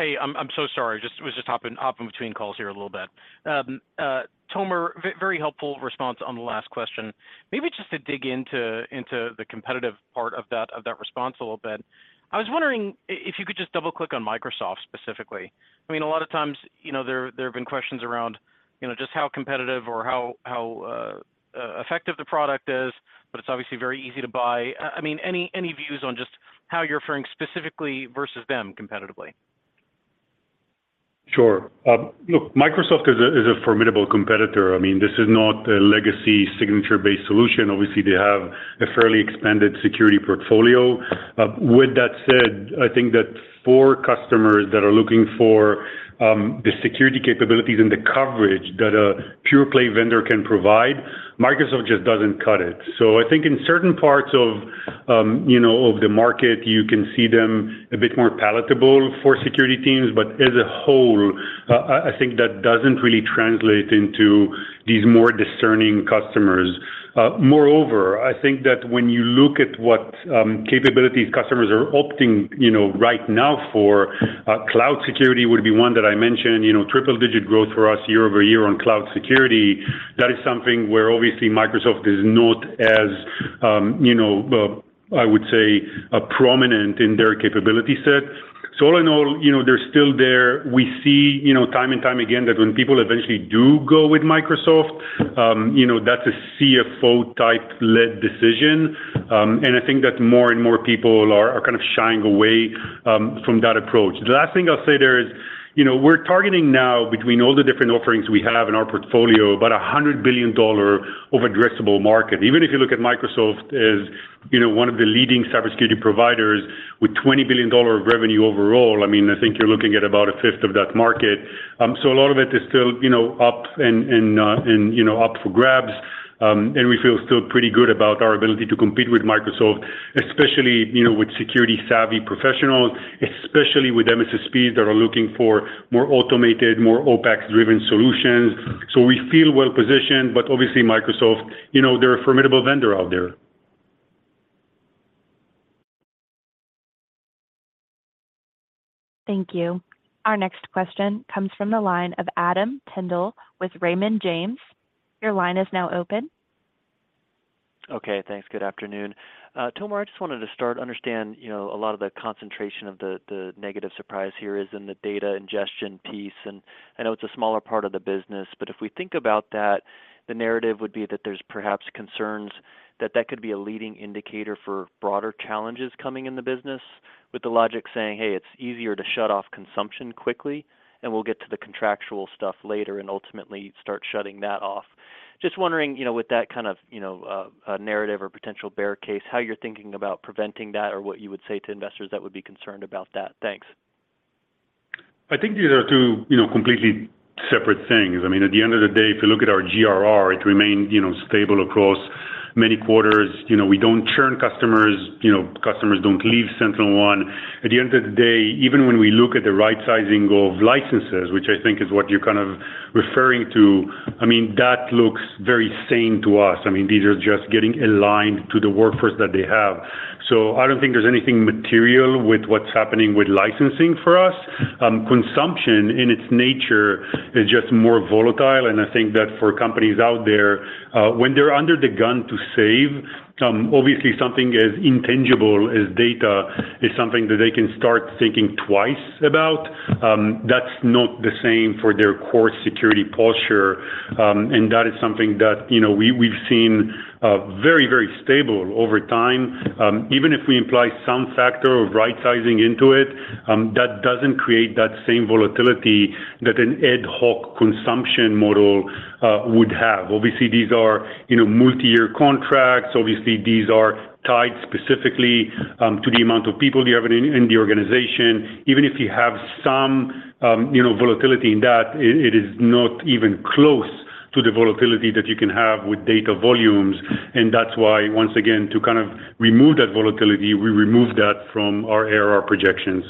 Speaker 8: I'm so sorry. Just was hopping between calls here a little bit. Tomer, very helpful response on the last question. Maybe just to dig into the competitive part of that response a little bit. I was wondering if you could just double-click on Microsoft, specifically. A lot of times, you know, there have been questions around, you know, just how competitive or how effective the product is, but it's obviously very easy to buy. Any views on just how you're faring specifically versus them competitively?
Speaker 3: Sure. Look, Microsoft is a formidable competitor. I mean, this is not a legacy signature-based solution. Obviously, they have a fairly expanded security portfolio. With that said, I think that for customers that are looking for the security capabilities and the coverage that a pure-play vendor can provide, Microsoft just doesn't cut it. I think in certain parts of, you know, of the market, you can see them a bit more palatable for security teams, but as a whole, I think that doesn't really translate into these more discerning customers. Moreover, I think that when you look at what capabilities customers are opting, you know, right now for, cloud security would be one that I mentioned. You know, triple-digit growth for us year-over-year on cloud security, that is something where obviously Microsoft is not as, you know, I would say, prominent in their capability set. All in all, you know, they're still there. We see, you know, time and time again, that when people eventually do go with Microsoft, you know, that's a CFO-type led decision. I think that more and more people are kind of shying away from that approach. The last thing I'll say there is, you know, we're targeting now, between all the different offerings we have in our portfolio, about $100 billion of addressable market. Even if you look at Microsoft as, you know, one of the leading cybersecurity providers with $20 billion of revenue overall, I mean, I think you're looking at about a fifth of that market. A lot of it is still, you know, up and, you know, up for grabs, and we feel still pretty good about our ability to compete with Microsoft, especially, you know, with security-savvy professionals, especially with MSSPs that are looking for more automated, more OpEx-driven solutions. We feel well positioned, but obviously, Microsoft, you know, they're a formidable vendor out there.
Speaker 1: Thank you. Our next question comes from the line of Adam Tindle with Raymond James. Your line is now open.
Speaker 9: Okay, thanks. Good afternoon. Tomer, I just wanted to start to understand, you know, a lot of the concentration of the negative surprise here is in the data ingestion piece, and I know it's a smaller part of the business, but if we think about that, the narrative would be that there's perhaps concerns that that could be a leading indicator for broader challenges coming in the business, with the logic saying, "Hey, it's easier to shut off consumption quickly, and we'll get to the contractual stuff later and ultimately start shutting that off." Just wondering, you know, with that kind of, you know, a narrative or potential bear case, how you're thinking about preventing that or what you would say to investors that would be concerned about that? Thanks.
Speaker 3: I think these are two, you know, completely separate things. I mean, at the end of the day, if you look at our GRR, it remained, you know, stable across many quarters. You know, we don't churn customers, you know, customers don't leave SentinelOne. At the end of the day, even when we look at the right sizing of licenses, which I think is what you're kind of referring to, I mean, that looks very sane to us. I mean, these are just getting aligned to the workforce that they have. So I don't think there's anything material with what's happening with licensing for us. Consumption, in its nature, is just more volatile, and I think that for companies out there, when they're under the gun to save, obviously something as intangible as data is something that they can start thinking twice about. That's not the same for their core security posture, and that is something that, you know, we've seen very, very stable over time. Even if we imply some factor of right sizing into it, that doesn't create that same volatility that an ad hoc consumption model would have. Obviously, these are, you know, multi-year contracts. Obviously, these are tied specifically to the amount of people you have in the organization. Even if you have some, you know, volatility in that, it is not even close to the volatility that you can have with data volumes, and that's why, once again, to kind of remove that volatility, we removed that from our ARR projections.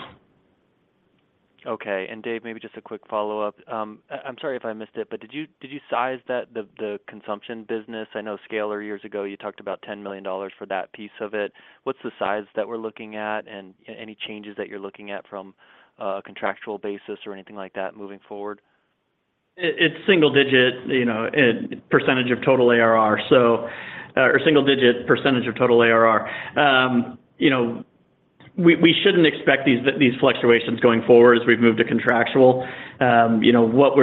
Speaker 9: Okay. Dave, maybe just a quick follow-up. I'm sorry if I missed it, did you size that, the consumption business? I know scale or years ago, you talked about $10 million for that piece of it. What's the size that we're looking at, any changes that you're looking at from a contractual basis or anything like that moving forward?
Speaker 4: It's single-digit, you know, percentage of total ARR, so. Or single-digit percentage of total ARR. You know, we shouldn't expect these fluctuations going forward as we've moved to contractual. You know, what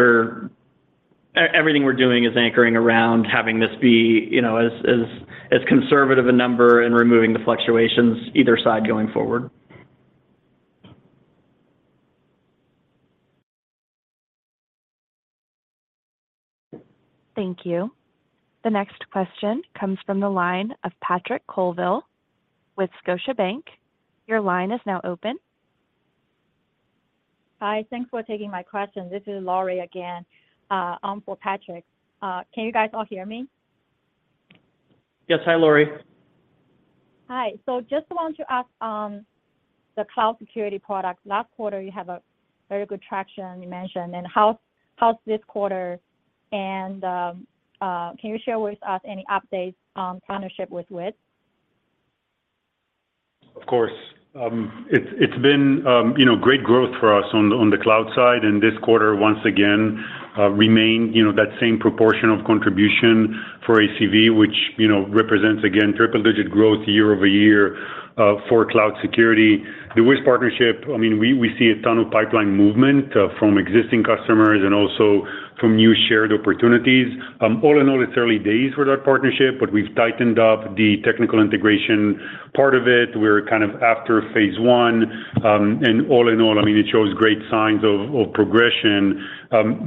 Speaker 4: everything we're doing is anchoring around having this be, you know, as conservative a number and removing the fluctuations either side going forward.
Speaker 1: Thank you. The next question comes from the line of Patrick Colville with Scotiabank. Your line is now open.
Speaker 6: Hi, thanks for taking my question. This is Lory again, on for Patrick. Can you guys all hear me?
Speaker 4: Yes. Hi, Lory.
Speaker 6: Hi. just wanted to ask, the cloud security product. Last quarter, you have a very good traction, you mentioned. How's this quarter? Can you share with us any updates on partnership with Wiz?
Speaker 3: Of course, it's been, you know, great growth for us on the cloud side, and this quarter, once again, remained, you know, that same proportion of contribution for ACV, which, you know, represents, again, triple-digit growth year-over-year for cloud security. The Wiz partnership, I mean, we see a ton of pipeline movement from existing customers and also from new shared opportunities. All in all, it's early days for that partnership, but we've tightened up the technical integration part of it. We're kind of after phase one, and all in all, I mean, it shows great signs of progression.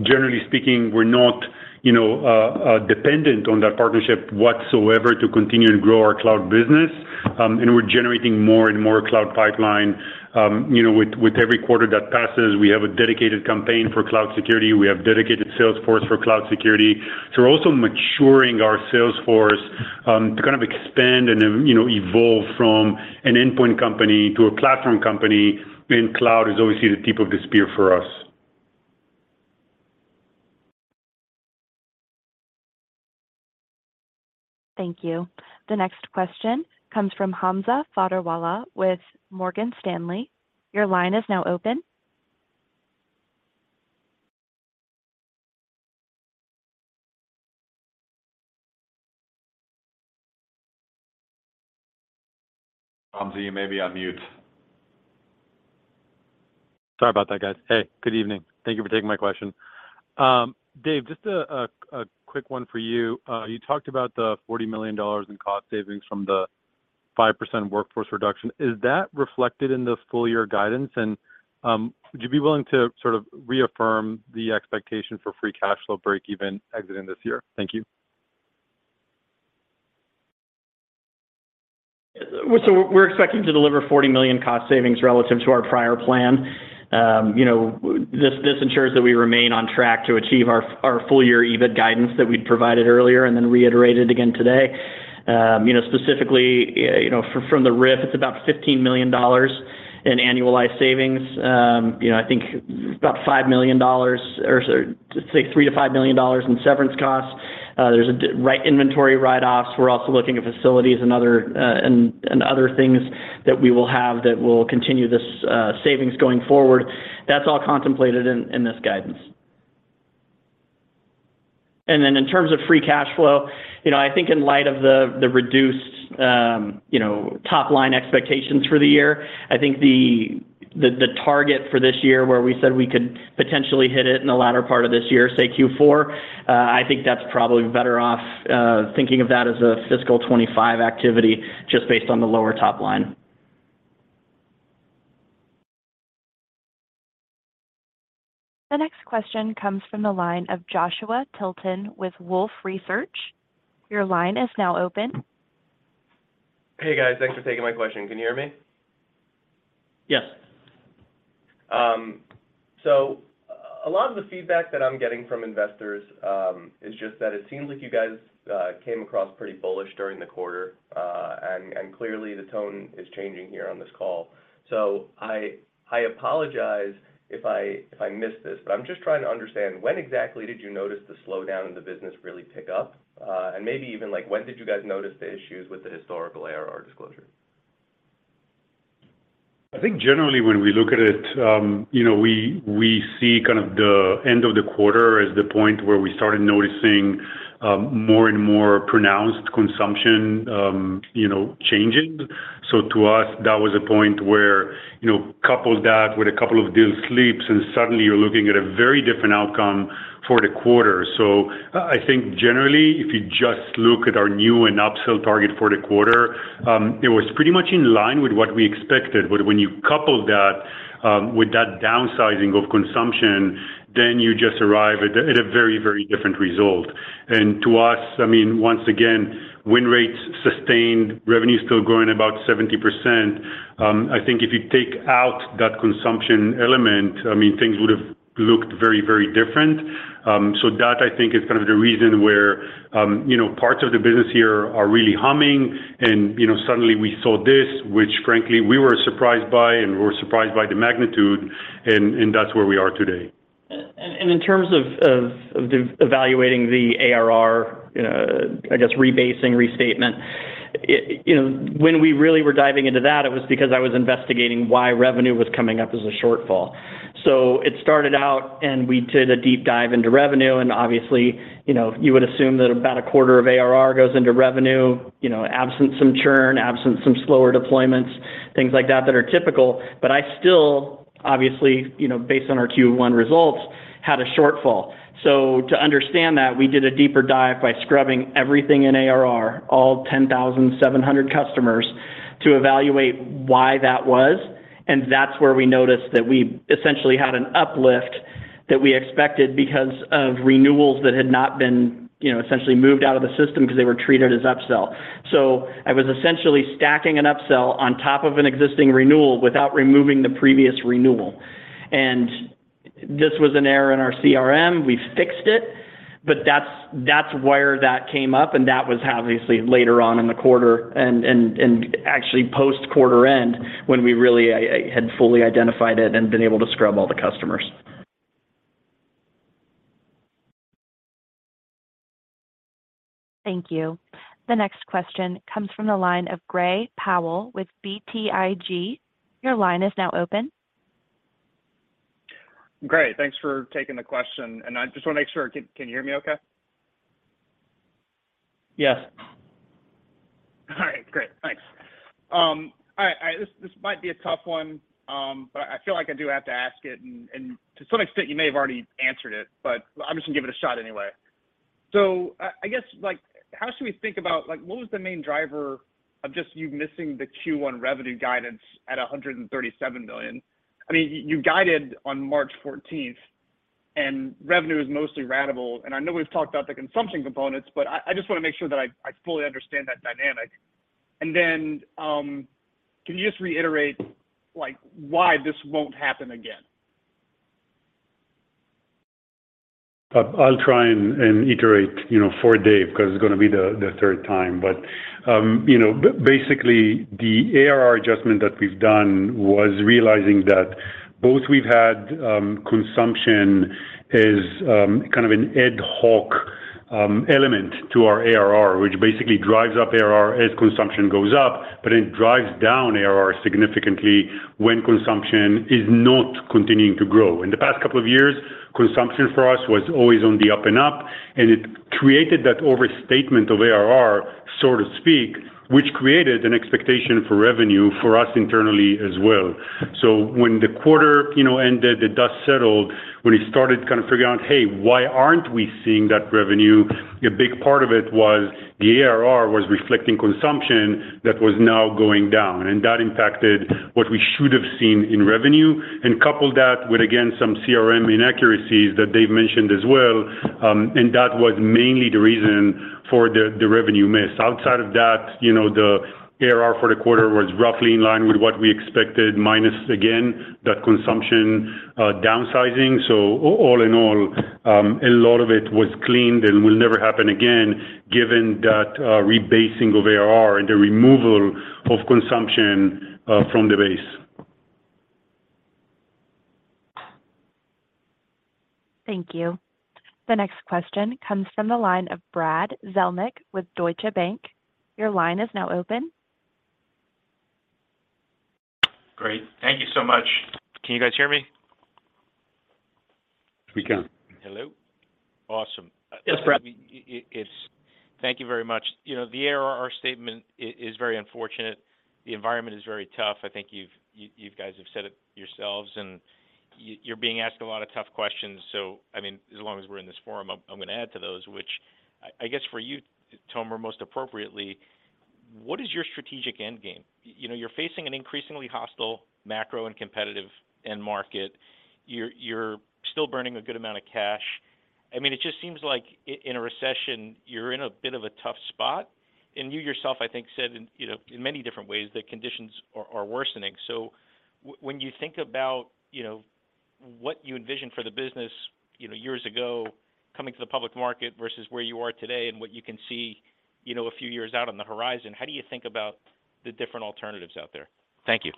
Speaker 3: Generally speaking, we're not, you know, dependent on that partnership whatsoever to continue to grow our cloud business. We're generating more and more cloud pipeline, you know, with every quarter that passes. We have a dedicated campaign for cloud security. We have dedicated sales force for cloud security. We're also maturing our sales force, to kind of expand and, you know, evolve from an endpoint company to a platform company. Cloud is obviously the tip of the spear for us.
Speaker 1: Thank you. The next question comes from Hamza Fodderwala with Morgan Stanley. Your line is now open.
Speaker 3: Hamza, you may be on mute.
Speaker 10: Sorry about that, guys. Hey, good evening. Thank you for taking my question. Dave, just a quick one for you. You talked about the $40 million in cost savings from the 5% workforce reduction. Is that reflected in the full year guidance? Would you be willing to sort of reaffirm the expectation for free cash flow break even exiting this year? Thank you.
Speaker 4: We're expecting to deliver $40 million cost savings relative to our prior plan. You know, this ensures that we remain on track to achieve our full year EBIT guidance that we'd provided earlier and then reiterated again today. You know, specifically, you know, from the RIF, it's about $15 million in annualized savings. You know, I think about $5 million or, say, $3 million-$5 million in severance costs. There's inventory write-offs. We're also looking at facilities and other things that we will have that will continue this savings going forward. That's all contemplated in this guidance. In terms of free cash flow, you know, I think in light of the reduced, you know, top-line expectations for the year, I think the target for this year, where we said we could potentially hit it in the latter part of this year, say Q4, I think that's probably better off thinking of that as a fiscal 25 activity, just based on the lower top line.
Speaker 1: The next question comes from the line of Joshua Tilton with Wolfe Research. Your line is now open.
Speaker 11: Hey, guys. Thanks for taking my question. Can you hear me?
Speaker 4: Yes.
Speaker 11: A lot of the feedback that I'm getting from investors, is just that it seems like you guys came across pretty bullish during the quarter, and clearly the tone is changing here on this call. I apologize if I missed this, but I'm just trying to understand, when exactly did you notice the slowdown in the business really pick up? And maybe even, like, when did you guys notice the issues with the historical ARR disclosure?
Speaker 3: I think generally when we look at it, you know, we see kind of the end of the quarter as the point where we started noticing, more and more pronounced consumption, you know, changing. To us, that was a point where, you know, couple that with a couple of deal slips, and suddenly you're looking at a very different outcome for the quarter. I think generally, if you just look at our new and upsell target for the quarter, it was pretty much in line with what we expected. When you couple that, with that downsizing of consumption, then you just arrive at a very, very different result. To us, I mean, once again, win rates sustained, revenue is still growing about 70%. I think if you take out that consumption element, I mean, things would have looked very, very different. That I think, is kind of the reason where, you know, parts of the business here are really humming and, you know, suddenly we saw this, which frankly, we were surprised by, and we were surprised by the magnitude, and that's where we are today.
Speaker 4: In terms of the evaluating the ARR, I guess, rebasing, restatement, you know, when we really were diving into that, it was because I was investigating why revenue was coming up as a shortfall. It started out, and we did a deep dive into revenue, and obviously, you know, you would assume that about a quarter of ARR goes into revenue, you know, absent some churn, absent some slower deployments, things like that are typical. I still, obviously, you know, based on our Q1 results, had a shortfall. To understand that, we did a deeper dive by scrubbing everything in ARR, all 10,700 customers, to evaluate why that was. That's where we noticed that we essentially had an uplift that we expected because of renewals that had not been, you know, essentially moved out of the system because they were treated as upsell. I was essentially stacking an upsell on top of an existing renewal without removing the previous renewal. This was an error in our CRM. We fixed it, but that's where that came up, and that was obviously later on in the quarter and actually post-quarter end, when we really had fully identified it and been able to scrub all the customers.
Speaker 1: Thank you. The next question comes from the line of Gray Powell with BTIG. Your line is now open.
Speaker 12: Great, thanks for taking the question, I just wanna make sure, can you hear me okay?
Speaker 3: Yes.
Speaker 12: All right, great. Thanks. This might be a tough one, but I feel like I do have to ask it, and to some extent, you may have already answered it, but I'm just gonna give it a shot anyway. I guess, like, how should we think about, like, what was the main driver of just you missing the Q1 revenue guidance at $137 million? I mean, you guided on March 14th, and revenue is mostly ratable. I know we've talked about the consumption components, but I just wanna make sure that I fully understand that dynamic. Then, can you just reiterate, like, why this won't happen again?
Speaker 3: I'll try and iterate, you know, for Dave, because it's gonna be the third time. You know, basically, the ARR adjustment that we've done was realizing that both we've had consumption as kind of an ad hoc element to our ARR, which basically drives up ARR as consumption goes up, but it drives down ARR significantly when consumption is not continuing to grow. In the past couple of years, consumption for us was always on the up and up, and it created that overstatement of ARR, so to speak, which created an expectation for revenue for us internally as well. When the quarter, you know, ended, the dust settled, when we started kind of figuring out, "Hey, why aren't we seeing that revenue?" A big part of it was the ARR was reflecting consumption that was now going down, and that impacted what we should have seen in revenue. Couple that with, again, some CRM inaccuracies that Dave mentioned as well, and that was mainly the reason for the revenue miss. Outside of that, you know, the ARR for the quarter was roughly in line with what we expected, minus, again, that consumption downsizing. All in all, a lot of it was cleaned and will never happen again, given that rebasing of ARR and the removal of consumption from the base.
Speaker 1: Thank you. The next question comes from the line of Brad Zelnick with Deutsche Bank. Your line is now open.
Speaker 13: Great. Thank you so much. Can you guys hear me?
Speaker 3: We can.
Speaker 13: Hello? Awesome.
Speaker 3: Yes, Brad.
Speaker 13: Thank you very much. You know, the ARR statement is very unfortunate. The environment is very tough. I think you've, you guys have said it yourselves, and you're being asked a lot of tough questions. I mean, as long as we're in this forum, I'm gonna add to those, which I guess for you, Tomer, most appropriately, what is your strategic end game? You know, you're facing an increasingly hostile macro and competitive end market. You're still burning a good amount of cash. I mean, it just seems like in a recession, you're in a bit of a tough spot, and you yourself, I think, said in, you know, in many different ways, that conditions are worsening. When you think about, you know, what you envisioned for the business, you know, years ago, coming to the public market versus where you are today and what you can see, you know, a few years out on the horizon, how do you think about the different alternatives out there? Thank you.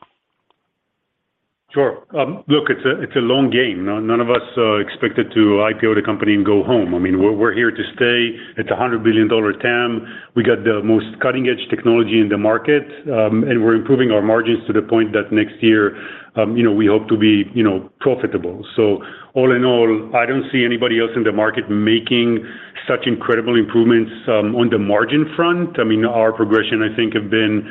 Speaker 3: Sure. Look, it's a long game. None of us expected to IPO the company and go home. I mean, we're here to stay. It's a $100 billion TAM. We got the most cutting-edge technology in the market, and we're improving our margins to the point that next year, you know, we hope to be, you know, profitable. All in all, I don't see anybody else in the market making such incredible improvements on the margin front. I mean, our progression, I think, have been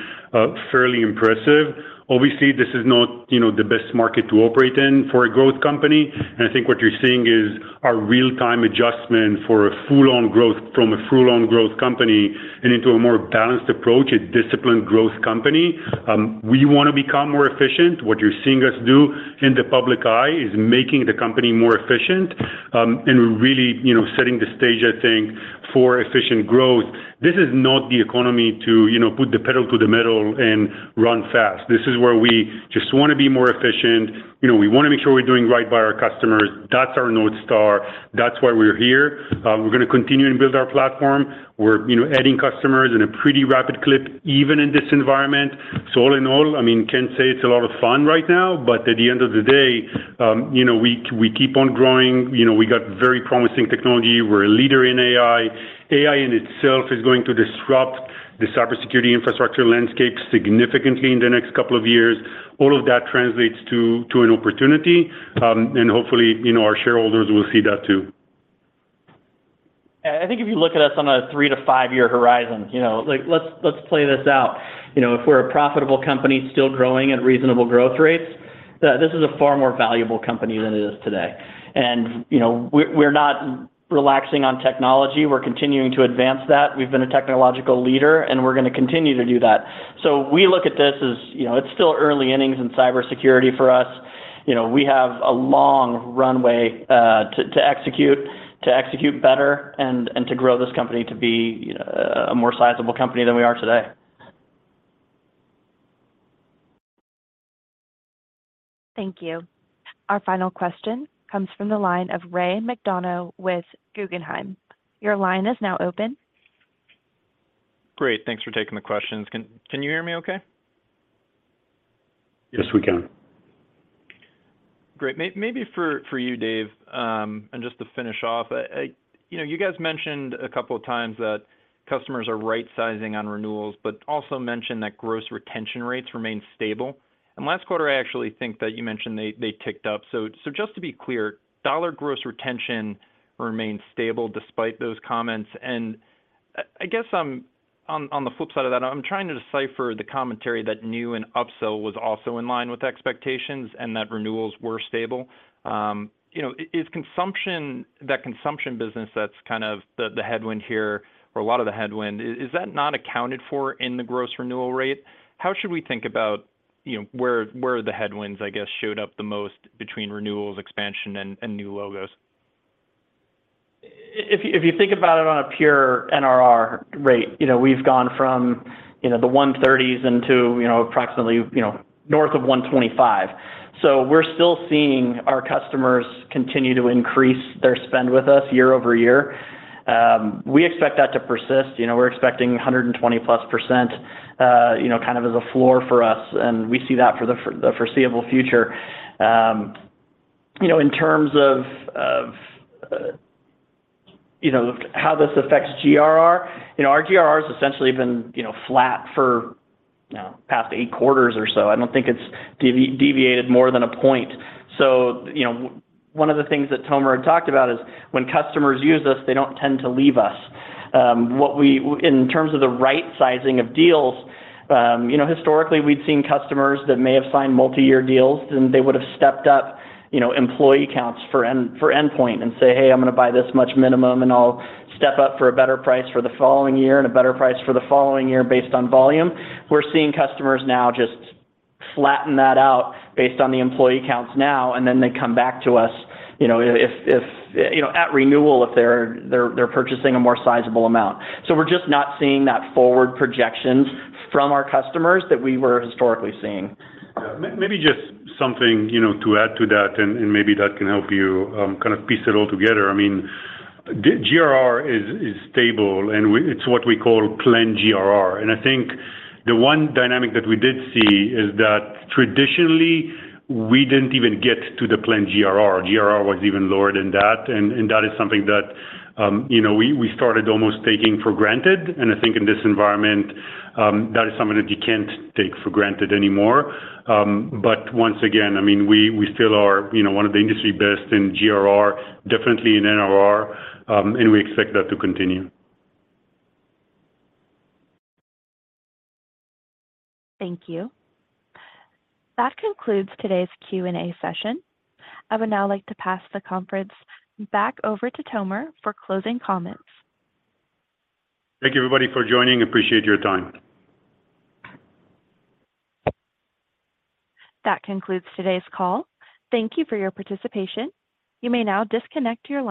Speaker 3: fairly impressive. Obviously, this is not, you know, the best market to operate in for a growth company, and I think what you're seeing is a real-time adjustment from a full-on growth company and into a more balanced approach, a disciplined growth company. We wanna become more efficient. What you're seeing us do in the public eye is making the company more efficient, and really, you know, setting the stage, I think, for efficient growth. This is not the economy to, you know, put the pedal to the metal and run fast. This is where we just wanna be more efficient. You know, we wanna make sure we're doing right by our customers. That's our North Star. That's why we're here. We're gonna continue to build our platform. We're, you know, adding customers in a pretty rapid clip, even in this environment. All in all, I mean, can't say it's a lot of fun right now, but at the end of the day, you know, we keep on growing. You know, we got very promising technology. We're a leader in AI. AI in itself is going to disrupt the cybersecurity infrastructure landscape significantly in the next couple of years. All of that translates to an opportunity, and hopefully, you know, our shareholders will see that too.
Speaker 12: I think if you look at us on a three to five-year horizon, you know, like, let's play this out. You know, if we're a profitable company still growing at reasonable growth rates, this is a far more valuable company than it is today. You know, we're not relaxing on technology. We're continuing to advance that. We've been a technological leader, and we're gonna continue to do that. We look at this as, you know, it's still early innings in cybersecurity for us. You know, we have a long runway to execute better, and to grow this company to be a more sizable company than we are today.
Speaker 1: Thank you. Our final question comes from the line of Ray McDonough with Guggenheim. Your line is now open.
Speaker 14: Great, thanks for taking the questions. Can you hear me okay?
Speaker 3: Yes, we can.
Speaker 14: Great! Maybe for you, Dave, just to finish off. You know, you guys mentioned a couple of times that customers are right sizing on renewals, but also mentioned that gross retention rates remain stable. Last quarter, I actually think that you mentioned they ticked up. Just to be clear, dollar gross retention remains stable despite those comments. I guess, on the flip side of that, I'm trying to decipher the commentary that new and upsell was also in line with expectations and that renewals were stable. You know, is consumption, that consumption business, that's kind of the headwind here or a lot of the headwind, is that not accounted for in the gross renewal rate? How should we think about, you know, where the headwinds, I guess, showed up the most between renewals, expansion, and new logos?
Speaker 4: If you think about it on a pure NRR rate, you know, we've gone from, you know, the 130s into, you know, approximately, you know, north of 125. We're still seeing our customers continue to increase their spend with us year-over-year. We expect that to persist. You know, we're expecting 120+%, you know, kind of as a floor for us, and we see that for the foreseeable future. You know, in terms of, you know, how this affects GRR, you know, our GRR has essentially been, you know, flat for, you know, the past eight quarters or so. I don't think it's deviated more than a point. You know, one of the things that Tomer had talked about is when customers use us, they don't tend to leave us. In terms of the right sizing of deals, historically, we've seen customers that may have signed multi-year deals, and they would have stepped up employee counts for endpoint, and say, "Hey, I'm gonna buy this much minimum, and I'll step up for a better price for the following year and a better price for the following year based on volume." We're seeing customers now just flatten that out based on the employee counts now, and then they come back to us if at renewal, if they're purchasing a more sizable amount. We're just not seeing that forward projections from our customers that we were historically seeing.
Speaker 3: Maybe just something, you know, to add to that, maybe that can help you kind of piece it all together. I mean, the GRR is stable, it's what we call clean GRR. I think the one dynamic that we did see is that traditionally, we didn't even get to the clean GRR. GRR was even lower than that is something that, you know, we started almost taking for granted, and I think in this environment, that is something that you can't take for granted anymore. Once again, I mean, we still are, you know, one of the industry best in GRR, definitely in NRR, and we expect that to continue.
Speaker 1: Thank you. That concludes today's Q&A session. I would now like to pass the conference back over to Tomer for closing comments.
Speaker 3: Thank you, everybody, for joining. Appreciate your time.
Speaker 1: That concludes today's call. Thank you for your participation. You may now disconnect your line.